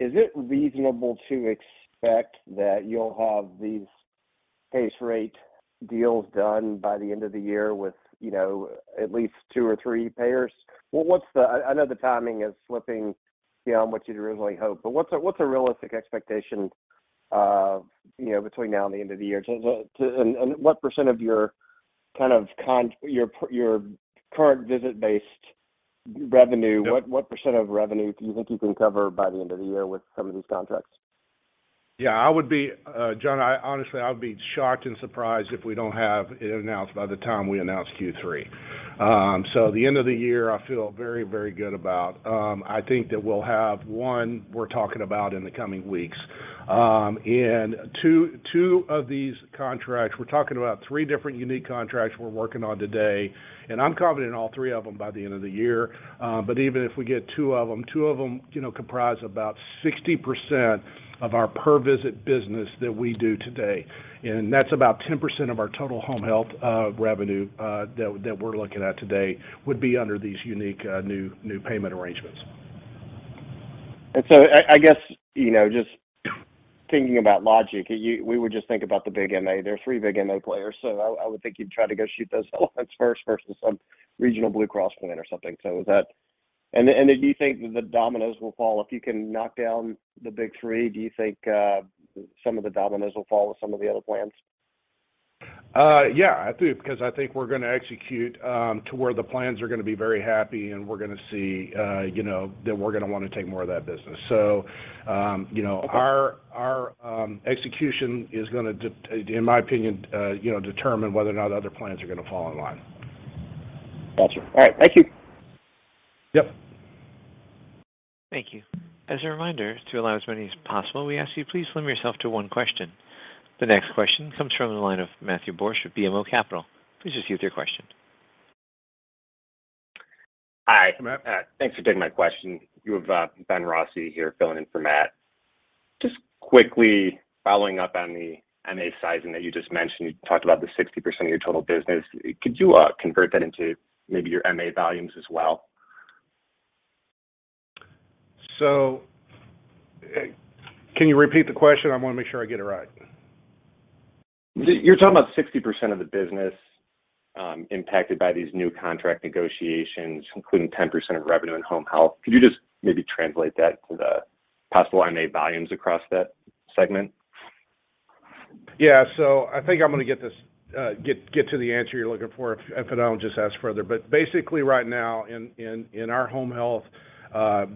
Speaker 8: Is it reasonable to expect that you'll have these pay rate deals done by the end of the year with, you know, at least two or three payers? I know the timing is slipping beyond what you'd originally hoped, but what's a realistic expectation, you know, between now and the end of the year? What percent of your kind of current visit-based revenue?
Speaker 3: Yep
Speaker 8: What % of revenue do you think you can cover by the end of the year with some of these contracts?
Speaker 3: Yeah. I would be, John, I honestly, I would be shocked and surprised if we don't have it announced by the time we announce Q3. The end of the year, I feel very, very good about. I think that we'll have one we're talking about in the coming weeks. Two of these contracts, we're talking about three different unique contracts we're working on today, and I'm confident in all three of them by the end of the year. Even if we get two of them, you know, comprise about 60% of our per visit business that we do today. That's about 10% of our total home health revenue that we're looking at today would be under these unique new payment arrangements.
Speaker 8: I guess, you know, just thinking about logic, we would just think about the big MA. There are three big MA players, so I would think you'd try to go shoot those elephants first versus some regional Blue Cross plan or something. Is that? Do you think that the dominoes will fall? If you can knock down the big three, do you think some of the dominoes will fall with some of the other plans?
Speaker 3: Yeah, I do, because I think we're gonna execute to where the plans are gonna be very happy, and we're gonna see, you know, that we're gonna wanna take more of that business. You know, our execution is gonna determine, in my opinion, whether or not other plans are gonna fall in line.
Speaker 8: Gotcha. All right. Thank you.
Speaker 3: Yep.
Speaker 1: Thank you. As a reminder, to allow as many as possible, we ask you please limit yourself to one question. The next question comes from the line of Matthew Borsch with BMO Capital Markets. Please proceed with your question.
Speaker 3: Hi. Matthew.
Speaker 9: Thanks for taking my question. You have Ben Rossi here filling in for Matt. Just quickly following up on the MA sizing that you just mentioned, you talked about the 60% of your total business. Could you convert that into maybe your MA volumes as well?
Speaker 3: Can you repeat the question? I wanna make sure I get it right.
Speaker 9: You're talking about 60% of the business, impacted by these new contract negotiations, including 10% of revenue in home health. Could you just maybe translate that to the possible MA volumes across that segment?
Speaker 3: I think I'm gonna get to the answer you're looking for if I don't just ask further. Basically right now in our home health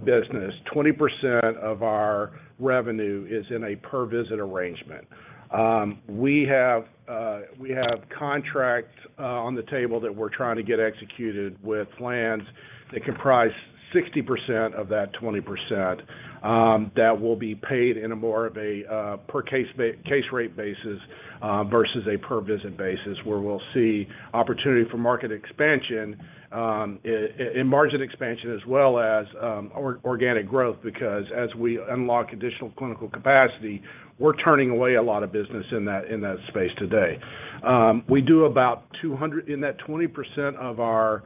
Speaker 3: business, 20% of our revenue is in a per visit arrangement. We have contracts on the table that we're trying to get executed with plans that comprise 60% of that 20%, that will be paid in more of a per case rate basis versus a per visit basis, where we'll see opportunity for market expansion, in margin expansion as well as organic growth. Because as we unlock additional clinical capacity, we're turning away a lot of business in that space today. We do about 200... In that 20% of our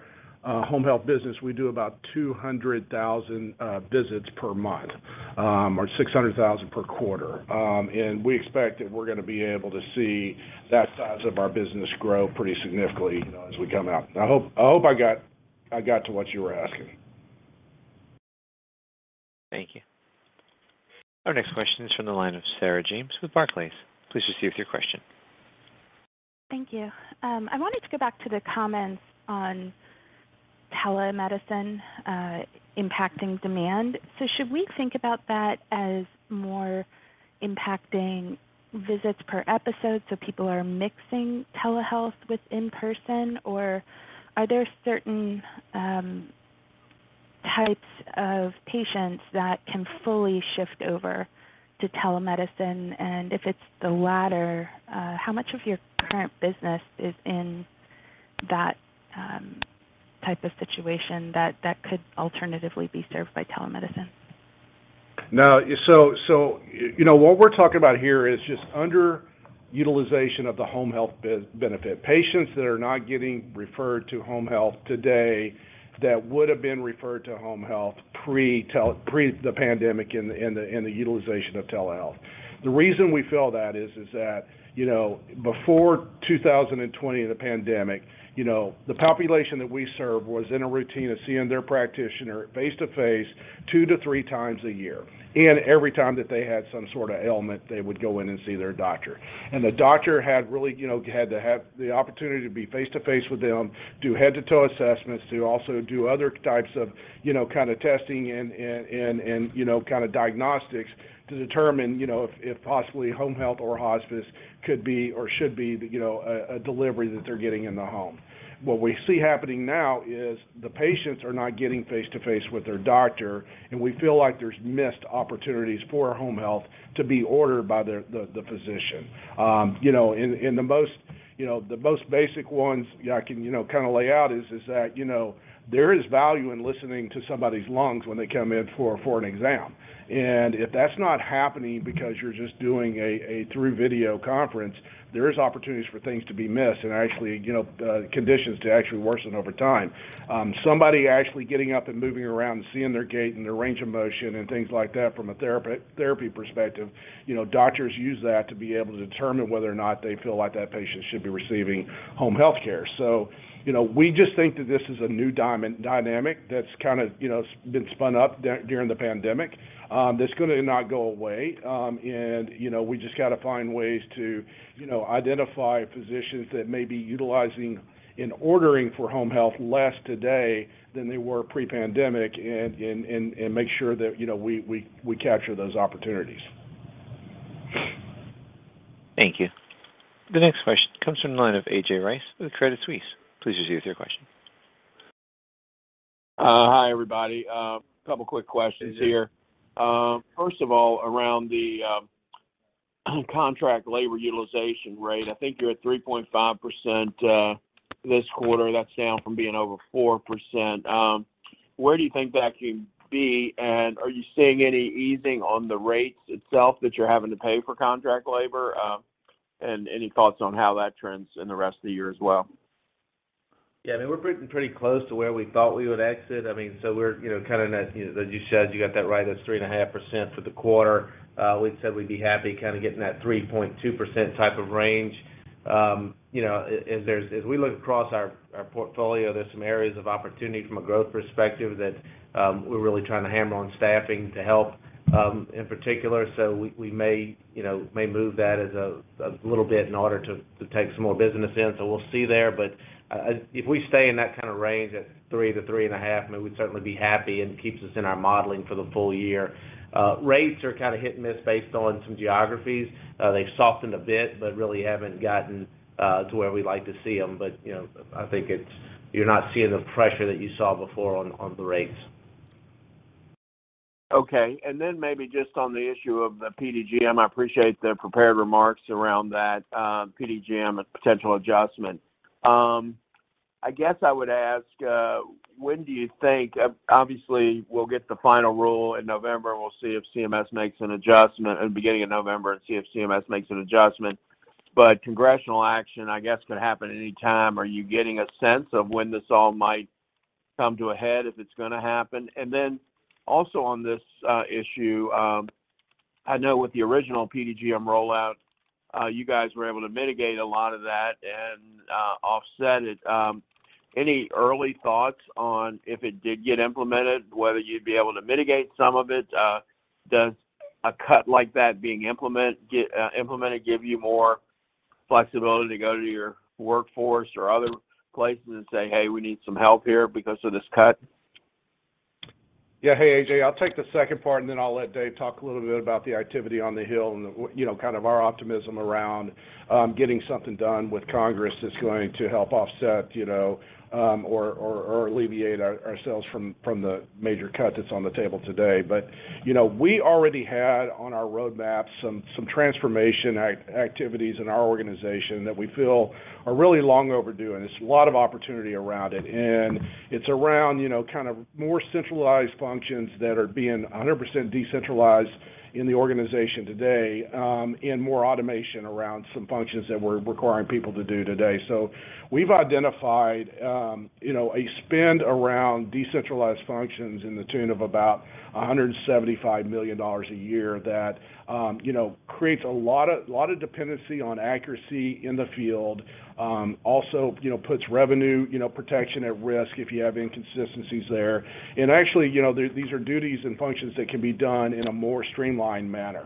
Speaker 3: home health business, we do about 200,000 visits per month or 600,000 per quarter. We expect that we're gonna be able to see that size of our business grow pretty significantly, you know, as we come out. I hope I got to what you were asking.
Speaker 1: Thank you. Our next question is from the line of Sarah James with Barclays. Please proceed with your question.
Speaker 10: Thank you. I wanted to go back to the comments on telemedicine, impacting demand. Should we think about that as more impacting visits per episode, so people are mixing telehealth with in-person? Or are there certain types of patients that can fully shift over to telemedicine? If it's the latter, how much of your current business is in that type of situation that could alternatively be served by telemedicine?
Speaker 3: No. So, you know, what we're talking about here is just underutilization of the home health benefit, patients that are not getting referred to home health today that would have been referred to home health pre the pandemic in the utilization of telehealth. The reason we feel that is that, you know, before 2020, the pandemic, you know, the population that we serve was in a routine of seeing their practitioner face-to-face two to three times a year. Every time that they had some sorta ailment, they would go in and see their doctor. The doctor had really, you know, had to have the opportunity to be face-to-face with them, do head-to-toe assessments, to also do other types of, you know, kinda testing and, you know, kinda diagnostics to determine, you know, if possibly home health or hospice could be or should be, you know, a delivery that they're getting in the home. What we see happening now is the patients are not getting face-to-face with their doctor, and we feel like there's missed opportunities for home health to be ordered by the physician. You know, the most basic ones I can, you know, kinda lay out is that, you know, there is value in listening to somebody's lungs when they come in for an exam. If that's not happening because you're just doing a through video conference, there is opportunities for things to be missed and actually, you know, conditions to actually worsen over time. Somebody actually getting up and moving around and seeing their gait and their range of motion and things like that from a therapy perspective, you know, doctors use that to be able to determine whether or not they feel like that patient should be receiving home health care. We just think that this is a new dynamic that's kinda been spun up during the pandemic, that's gonna not go away. You know, we just gotta find ways to, you know, identify physicians that may be utilizing and ordering for home health less today than they were pre-pandemic and make sure that, you know, we capture those opportunities.
Speaker 1: Thank you. The next question comes from the line of A.J. Rice with Credit Suisse. Please proceed with your question.
Speaker 11: Hi, everybody. Couple quick questions here. First of all, around the contract labor utilization rate, I think you're at 3.5%, this quarter. That's down from being over 4%. Where do you think that could be? Are you seeing any easing on the rates itself that you're having to pay for contract labor? Any thoughts on how that trends in the rest of the year as well?
Speaker 3: Yeah. I mean, we're pretty close to where we thought we would exit. I mean, we're, you know, kinda in a, you know, as you said. You got that right. That's 3.5% for the quarter. We'd said we'd be happy kinda getting that 3.2% type of range. You know, as we look across our portfolio, there's some areas of opportunity from a growth perspective that we're really trying to hammer on staffing to help in particular. We may, you know, move that a little bit in order to take some more business in. We'll see there. If we stay in that kinda range at 3-3.5, I mean, we'd certainly be happy, and it keeps us in our modeling for the full year. Rates are kinda hit and miss based on some geographies. They've softened a bit, but really haven't gotten to where we'd like to see them. You know, I think it's, you're not seeing the pressure that you saw before on the rates.
Speaker 11: Okay. Maybe just on the issue of the PDGM, I appreciate the prepared remarks around that, PDGM potential adjustment. I guess I would ask. Obviously, we'll get the final rule in the beginning of November, and we'll see if CMS makes an adjustment. Congressional action, I guess, could happen any time. Are you getting a sense of when this all might come to a head, if it's gonna happen? On this issue, I know with the original PDGM rollout, you guys were able to mitigate a lot of that and offset it. Any early thoughts on if it did get implemented, whether you'd be able to mitigate some of it? Does a cut like that being implemented give you more flexibility to go to your workforce or other places and say, "Hey, we need some help here because of this cut"?
Speaker 3: Yeah. Hey, A.J., I'll take the second part, and then I'll let Dave talk a little bit about the activity on the Hill and you know, kind of our optimism around getting something done with Congress that's going to help offset, you know, or alleviate ourselves from the major cut that's on the table today. You know, we already had on our roadmap some transformation activities in our organization that we feel are really long overdue, and there's a lot of opportunity around it. It's around, you know, kind of more centralized functions that are being 100% decentralized in the organization today, and more automation around some functions that we're requiring people to do today. We've identified, you know, a spend around decentralized functions to the tune of about $175 million a year that, you know, creates a lot of dependency on accuracy in the field. Also, you know, puts revenue, you know, protection at risk if you have inconsistencies there. Actually, you know, these are duties and functions that can be done in a more streamlined manner.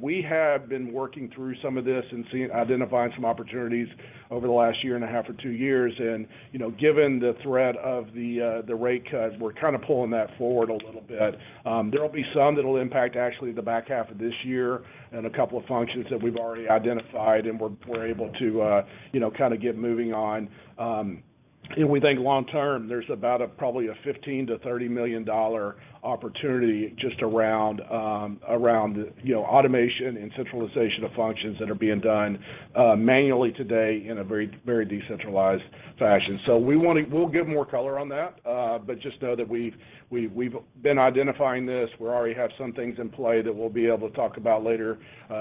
Speaker 3: We have been working through some of this and identifying some opportunities over the last year and a half or two years. Given the threat of the rate cuts, we're kind of pulling that forward a little bit. There'll be some that'll impact actually the back half of this year and a couple of functions that we've already identified, and we're able to, you know, kind of get moving on. We think long term, there's about probably a $15 million-$30 million opportunity just around, you know, automation and centralization of functions that are being done manually today in a very decentralized fashion. We'll give more color on that, but just know that we've been identifying this. We already have some things in play that we'll be able to talk about later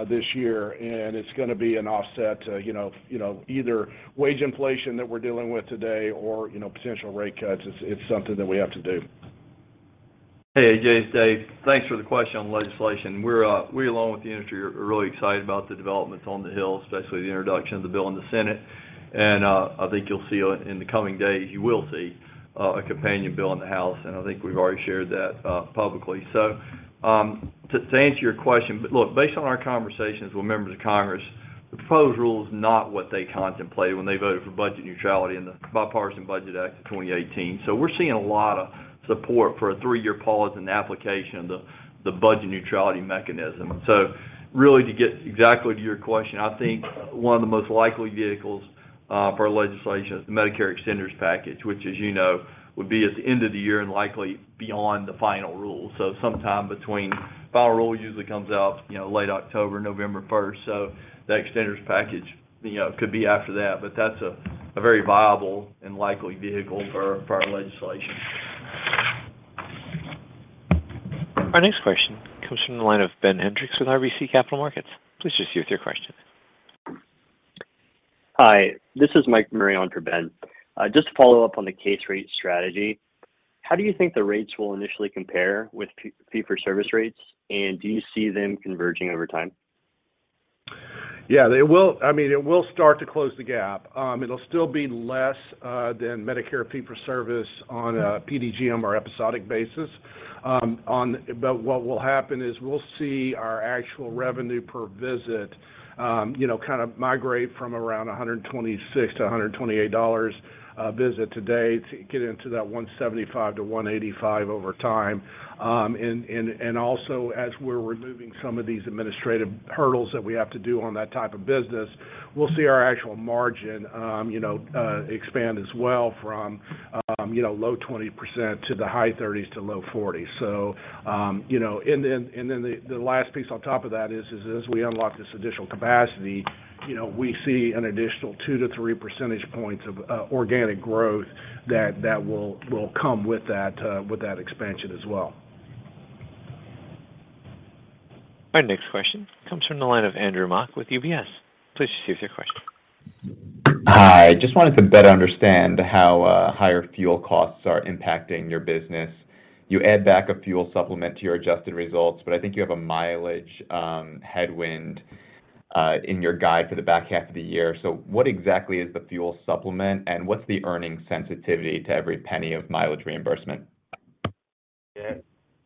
Speaker 3: this year, and it's gonna be an offset to, you know, either wage inflation that we're dealing with today or, you know, potential rate cuts. It's something that we have to do.
Speaker 12: Hey, A.J., it's Dave. Thanks for the question on legislation. We along with the industry are really excited about the developments on the Hill, especially the introduction of the bill in the Senate. I think you'll see in the coming days a companion bill in the House, and I think we've already shared that publicly. To answer your question, look, based on our conversations with members of Congress, the proposed rule is not what they contemplated when they voted for budget neutrality in the Bipartisan Budget Act of 2018. We're seeing a lot of support for a three-year pause in the application of the budget neutrality mechanism. Really to get exactly to your question, I think one of the most likely vehicles for legislation is the Medicare extenders package, which, as you know, would be at the end of the year and likely beyond the final rule. Final rule usually comes out, you know, late October, November first. The extenders package, you know, could be after that, but that's a very viable and likely vehicle for legislation.
Speaker 1: Our next question comes from the line of Ben Hendrix with RBC Capital Markets. Please proceed with your question.
Speaker 13: Hi, this is Mike Murray on for Ben. Just to follow up on the case rate strategy, how do you think the rates will initially compare with fee-for-service rates, and do you see them converging over time?
Speaker 3: Yeah, they will. I mean, it will start to close the gap. It'll still be less than Medicare fee-for-service on a PDGM or episodic basis. What will happen is we'll see our actual revenue per visit, you know, kind of migrate from around $126-$128 a visit today to $175-$185 over time. And also as we're removing some of these administrative hurdles that we have to do on that type of business, we'll see our actual margin, you know, expand as well from low 20% to the high 30s% to low 40s%. you know, the last piece on top of that is as we unlock this additional capacity, you know, we see an additional 2-3 percentage points of organic growth that will come with that expansion as well.
Speaker 1: Our next question comes from the line of Andrew Mok with UBS. Please proceed with your question.
Speaker 14: Hi. Just wanted to better understand how higher fuel costs are impacting your business. You add back a fuel supplement to your adjusted results, but I think you have a mileage headwind in your guide for the back half of the year. What exactly is the fuel supplement, and what's the earning sensitivity to every penny of mileage reimbursement?
Speaker 4: You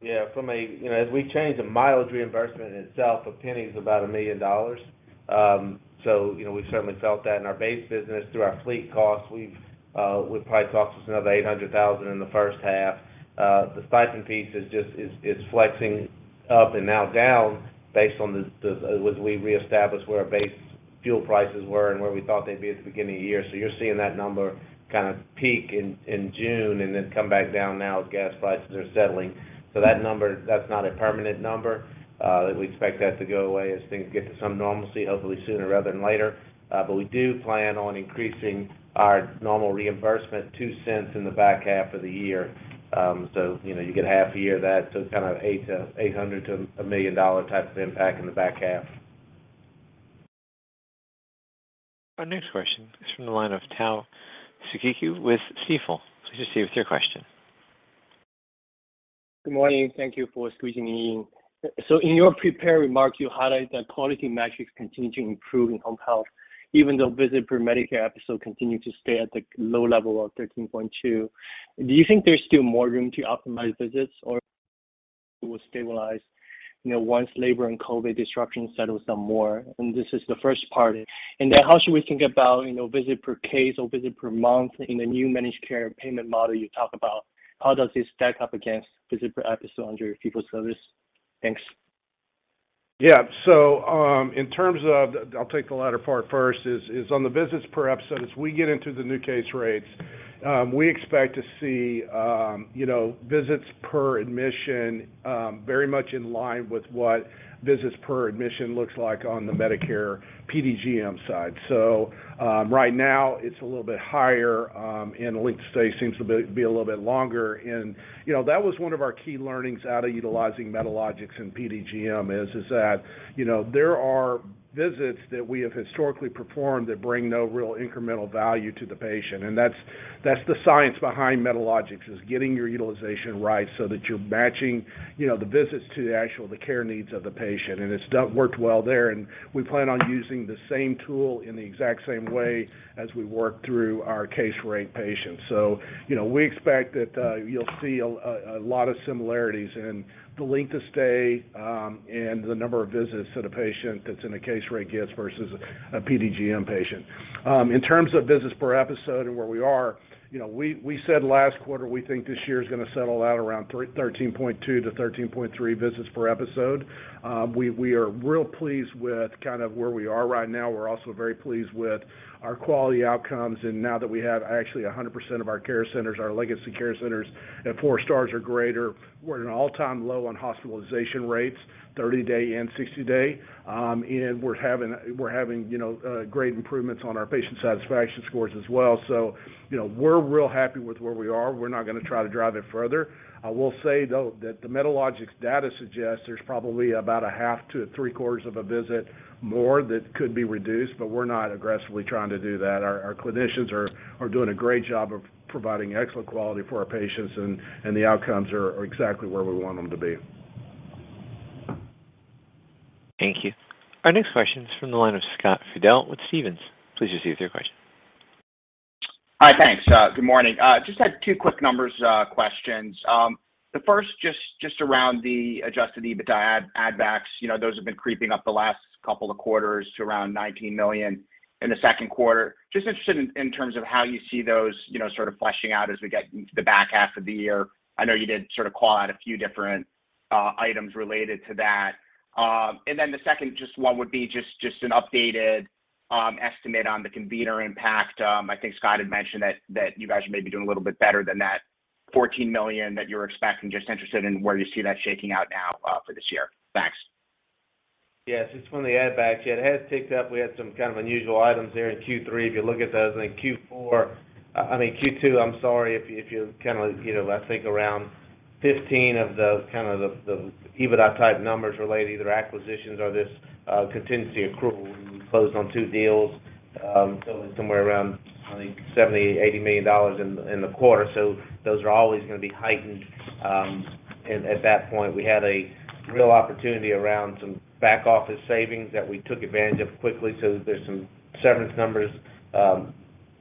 Speaker 4: know, as we change the mileage reimbursement itself, a penny is about $1 million. So, you know, we've certainly felt that in our base business through our fleet costs. We've probably tacked on another $800,000 in the first half. The stipend piece is just it's flexing up and down based on as we reestablish where our base Fuel prices were and where we thought they'd be at the beginning of the year. You're seeing that number kind of peak in June and then come back down now as gas prices are settling. That number, that's not a permanent number. We expect that to go away as things get to some normalcy, hopefully sooner rather than later. We do plan on increasing our normal reimbursement $0.02 in the back half of the year. You know, you get half a year of that, so it's kind of $800,000-$1 million type of impact in the back half.
Speaker 1: Our next question is from the line of Tao Qiu with Stifel. Please proceed with your question.
Speaker 15: Good morning. Thank you for squeezing me in. In your prepared remarks, you highlighted that quality metrics continue to improve in home health, even though visit per Medicare episode continue to stay at the low level of 13.2. Do you think there's still more room to optimize visits, or it will stabilize, you know, once labor and COVID disruption settles down more? This is the first part. Then how should we think about, you know, visit per case or visit per month in the new managed care payment model you talk about? How does this stack up against visit per episode under your fee-for-service? Thanks.
Speaker 3: Yeah. In terms of, I'll take the latter part first, is on the visits per episode, as we get into the new case rates, we expect to see, you know, visits per admission, very much in line with what visits per admission looks like on the Medicare PDGM side. Right now, it's a little bit higher, and length of stay seems to be a little bit longer. You know, that was one of our key learnings out of utilizing Medalogix and PDGM is that, you know, there are visits that we have historically performed that bring no real incremental value to the patient. That's the science behind Medalogix, is getting your utilization right so that you're matching, you know, the visits to the actual, the care needs of the patient. It's done, worked well there, and we plan on using the same tool in the exact same way as we work through our case rate patients. You know, we expect that you'll see a lot of similarities in the length of stay and the number of visits that a patient that's in a case rate gets versus a PDGM patient. In terms of visits per episode and where we are, you know, we said last quarter, we think this year is gonna settle out around 13.2-13.3 visits per episode. We are real pleased with kind of where we are right now. We're also very pleased with our quality outcomes. Now that we have actually 100% of our care centers, our legacy care centers at four stars or greater, we're at an all-time low on hospitalization rates, 30-day and 60-day. We're having you know great improvements on our patient satisfaction scores as well. You know, we're real happy with where we are. We're not gonna try to drive it further. I will say, though, that the Medalogix data suggests there's probably about a half to three-quarters of a visit more that could be reduced, but we're not aggressively trying to do that. Our clinicians are doing a great job of providing excellent quality for our patients, and the outcomes are exactly where we want them to be.
Speaker 1: Thank you. Our next question is from the line of Scott Fidel with Stephens. Please proceed with your question.
Speaker 16: Hi. Thanks. Good morning. Just had two quick numbers, questions. The first just around the adjusted EBITDA add-backs. You know, those have been creeping up the last couple of quarters to around $19 million in the second quarter. Just interested in terms of how you see those, you know, sort of fleshing out as we get into the back half of the year. I know you did sort of call out a few different items related to that. And then the second, just what would be just an updated estimate on the convener impact. I think Scott had mentioned that you guys are maybe doing a little bit better than that $14 million that you were expecting. Just interested in where you see that shaking out now for this year. Thanks.
Speaker 4: Yeah. Just on the add backs, yeah, it has ticked up. We had some kind of unusual items there in Q3 if you look at those. In Q2, I'm sorry, if you kind of, you know, I think around 15 of the EBITDA-type numbers related to either acquisitions or this contingency accrual. We closed on two deals totaling somewhere around, I think $70-$80 million in the quarter. Those are always gonna be heightened. At that point, we had a real opportunity around some back office savings that we took advantage of quickly. There's some severance numbers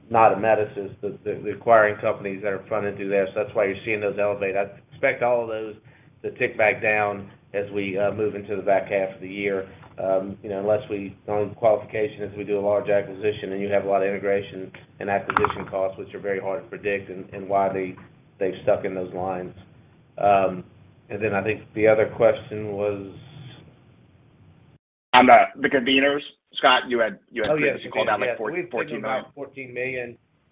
Speaker 4: not at Amedisys, it's the acquiring companies that are funding through there. That's why you're seeing those elevate. I'd expect all of those to tick back down as we move into the back half of the year. You know, unless the only qualification is we do a large acquisition, and you have a lot of integration and acquisition costs, which are very hard to predict and why they've stuck in those lines. I think the other question was.
Speaker 15: On the conveners. Scott, you had previously called out, like $14 million.
Speaker 4: Oh,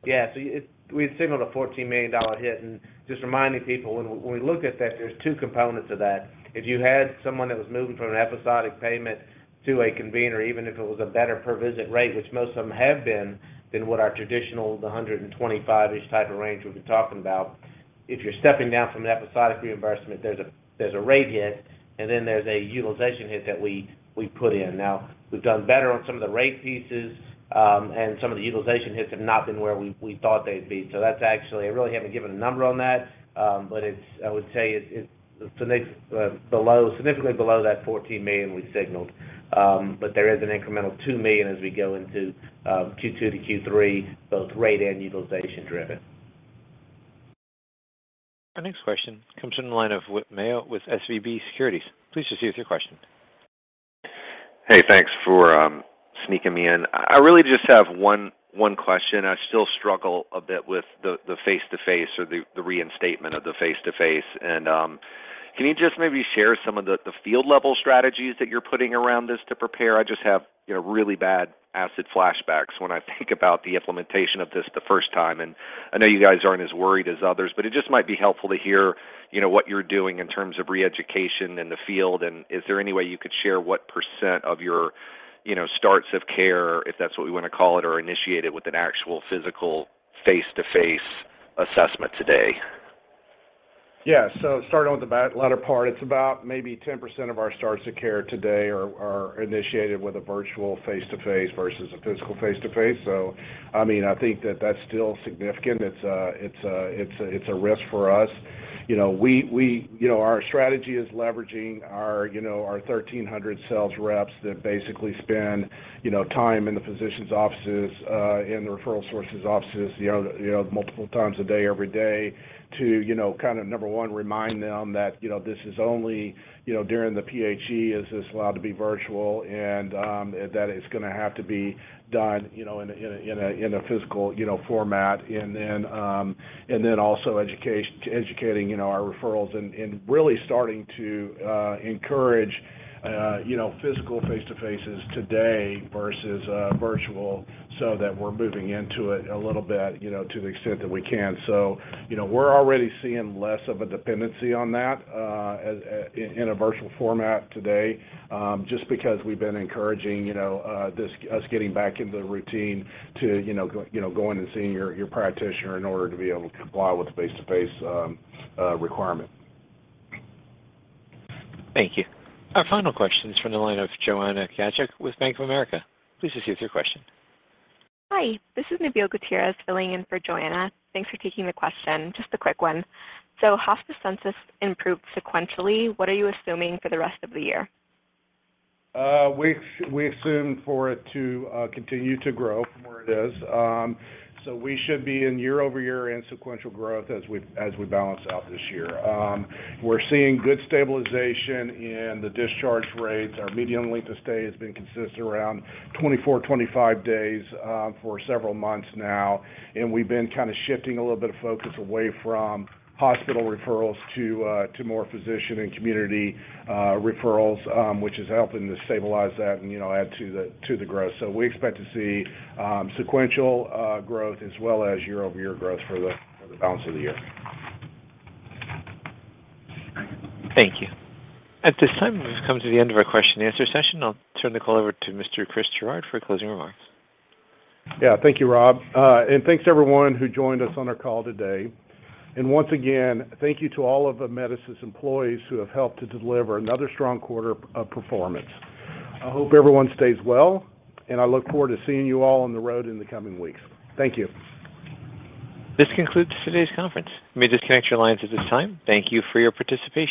Speaker 4: yes. The conveners. Yeah. We've signaled out $14 million. Yeah. We had signaled a $14 million hit. Just reminding people when we look at that, there's two components of that. If you had someone that was moving from an episodic payment to a convener, even if it was a better per visit rate, which most of them have been than what our traditional, the 125-ish type of range we've been talking about. If you're stepping down from an episodic reimbursement, there's a rate hit, and then there's a utilization hit that we put in. Now, we've done better on some of the rate pieces, and some of the utilization hits have not been where we thought they'd be. So that's actually. I really haven't given a number on that, but I would say it's significantly below that $14 million we signaled. There is an incremental $2 million as we go into Q2 to Q3, both rate and utilization driven.
Speaker 1: Our next question comes from the line of Whit Mayo with SVB Securities. Please proceed with your question.
Speaker 16: Hey, thanks for sneaking me in. I really just have one question. I still struggle a bit with the face-to-face or the reinstatement of the face-to-face. Can you just maybe share some of the field-level strategies that you're putting around this to prepare? I just have, you know, really bad acid flashbacks when I think about the implementation of this the first time. I know you guys aren't as worried as others, but it just might be helpful to hear, you know, what you're doing in terms of re-education in the field, and is there any way you could share what percent of your, you know, starts of care, if that's what we wanna call it, are initiated with an actual physical face-to-face assessment today?
Speaker 3: Yeah. Starting with the latter part, it's about maybe 10% of our starts of care today are initiated with a virtual face-to-face versus a physical face-to-face. I mean, I think that that's still significant. It's a risk for us. You know, our strategy is leveraging our, you know, our 1,300 sales reps that basically spend, you know, time in the physicians' offices, in the referral sources' offices, you know, multiple times a day, every day to, you know, kind of, number one, remind them that, you know, this is only, you know, during the PHE is this allowed to be virtual and that it's gonna have to be done, you know, in a physical format. Also educating, you know, our referrals and really starting to encourage, you know, physical face-to-faces today versus virtual so that we're moving into it a little bit, you know, to the extent that we can. You know, we're already seeing less of a dependency on that in a virtual format today just because we've been encouraging, you know, us getting back into the routine to, you know, go, you know, going and seeing your practitioner in order to be able to comply with the face-to-face requirement.
Speaker 17: Thank you.
Speaker 1: Our final question is from the line of Joanna Gajuk with Bank of America. Please proceed with your question.
Speaker 18: Hi. This is Nabil Gutierrez filling in for Joanna. Thanks for taking the question. Just a quick one. Hospice census improved sequentially. What are you assuming for the rest of the year?
Speaker 3: We assume for it to continue to grow from where it is. We should be in year-over-year and sequential growth as we balance out this year. We're seeing good stabilization in the discharge rates. Our median length of stay has been consistent around 24-25 days for several months now, and we've been kinda shifting a little bit of focus away from hospital referrals to more physician and community referrals, which is helping to stabilize that and, you know, add to the growth. We expect to see sequential growth as well as year-over-year growth for the balance of the year.
Speaker 18: Thank you.
Speaker 1: At this time, we've come to the end of our question and answer session. I'll turn the call over to Mr. Christopher Gerard for closing remarks.
Speaker 3: Yeah. Thank you, Rob. Thanks to everyone who joined us on our call today. Once again, thank you to all of the Amedisys employees who have helped to deliver another strong quarter of performance. I hope everyone stays well, and I look forward to seeing you all on the road in the coming weeks. Thank you.
Speaker 1: This concludes today's conference. You may disconnect your lines at this time. Thank you for your participation.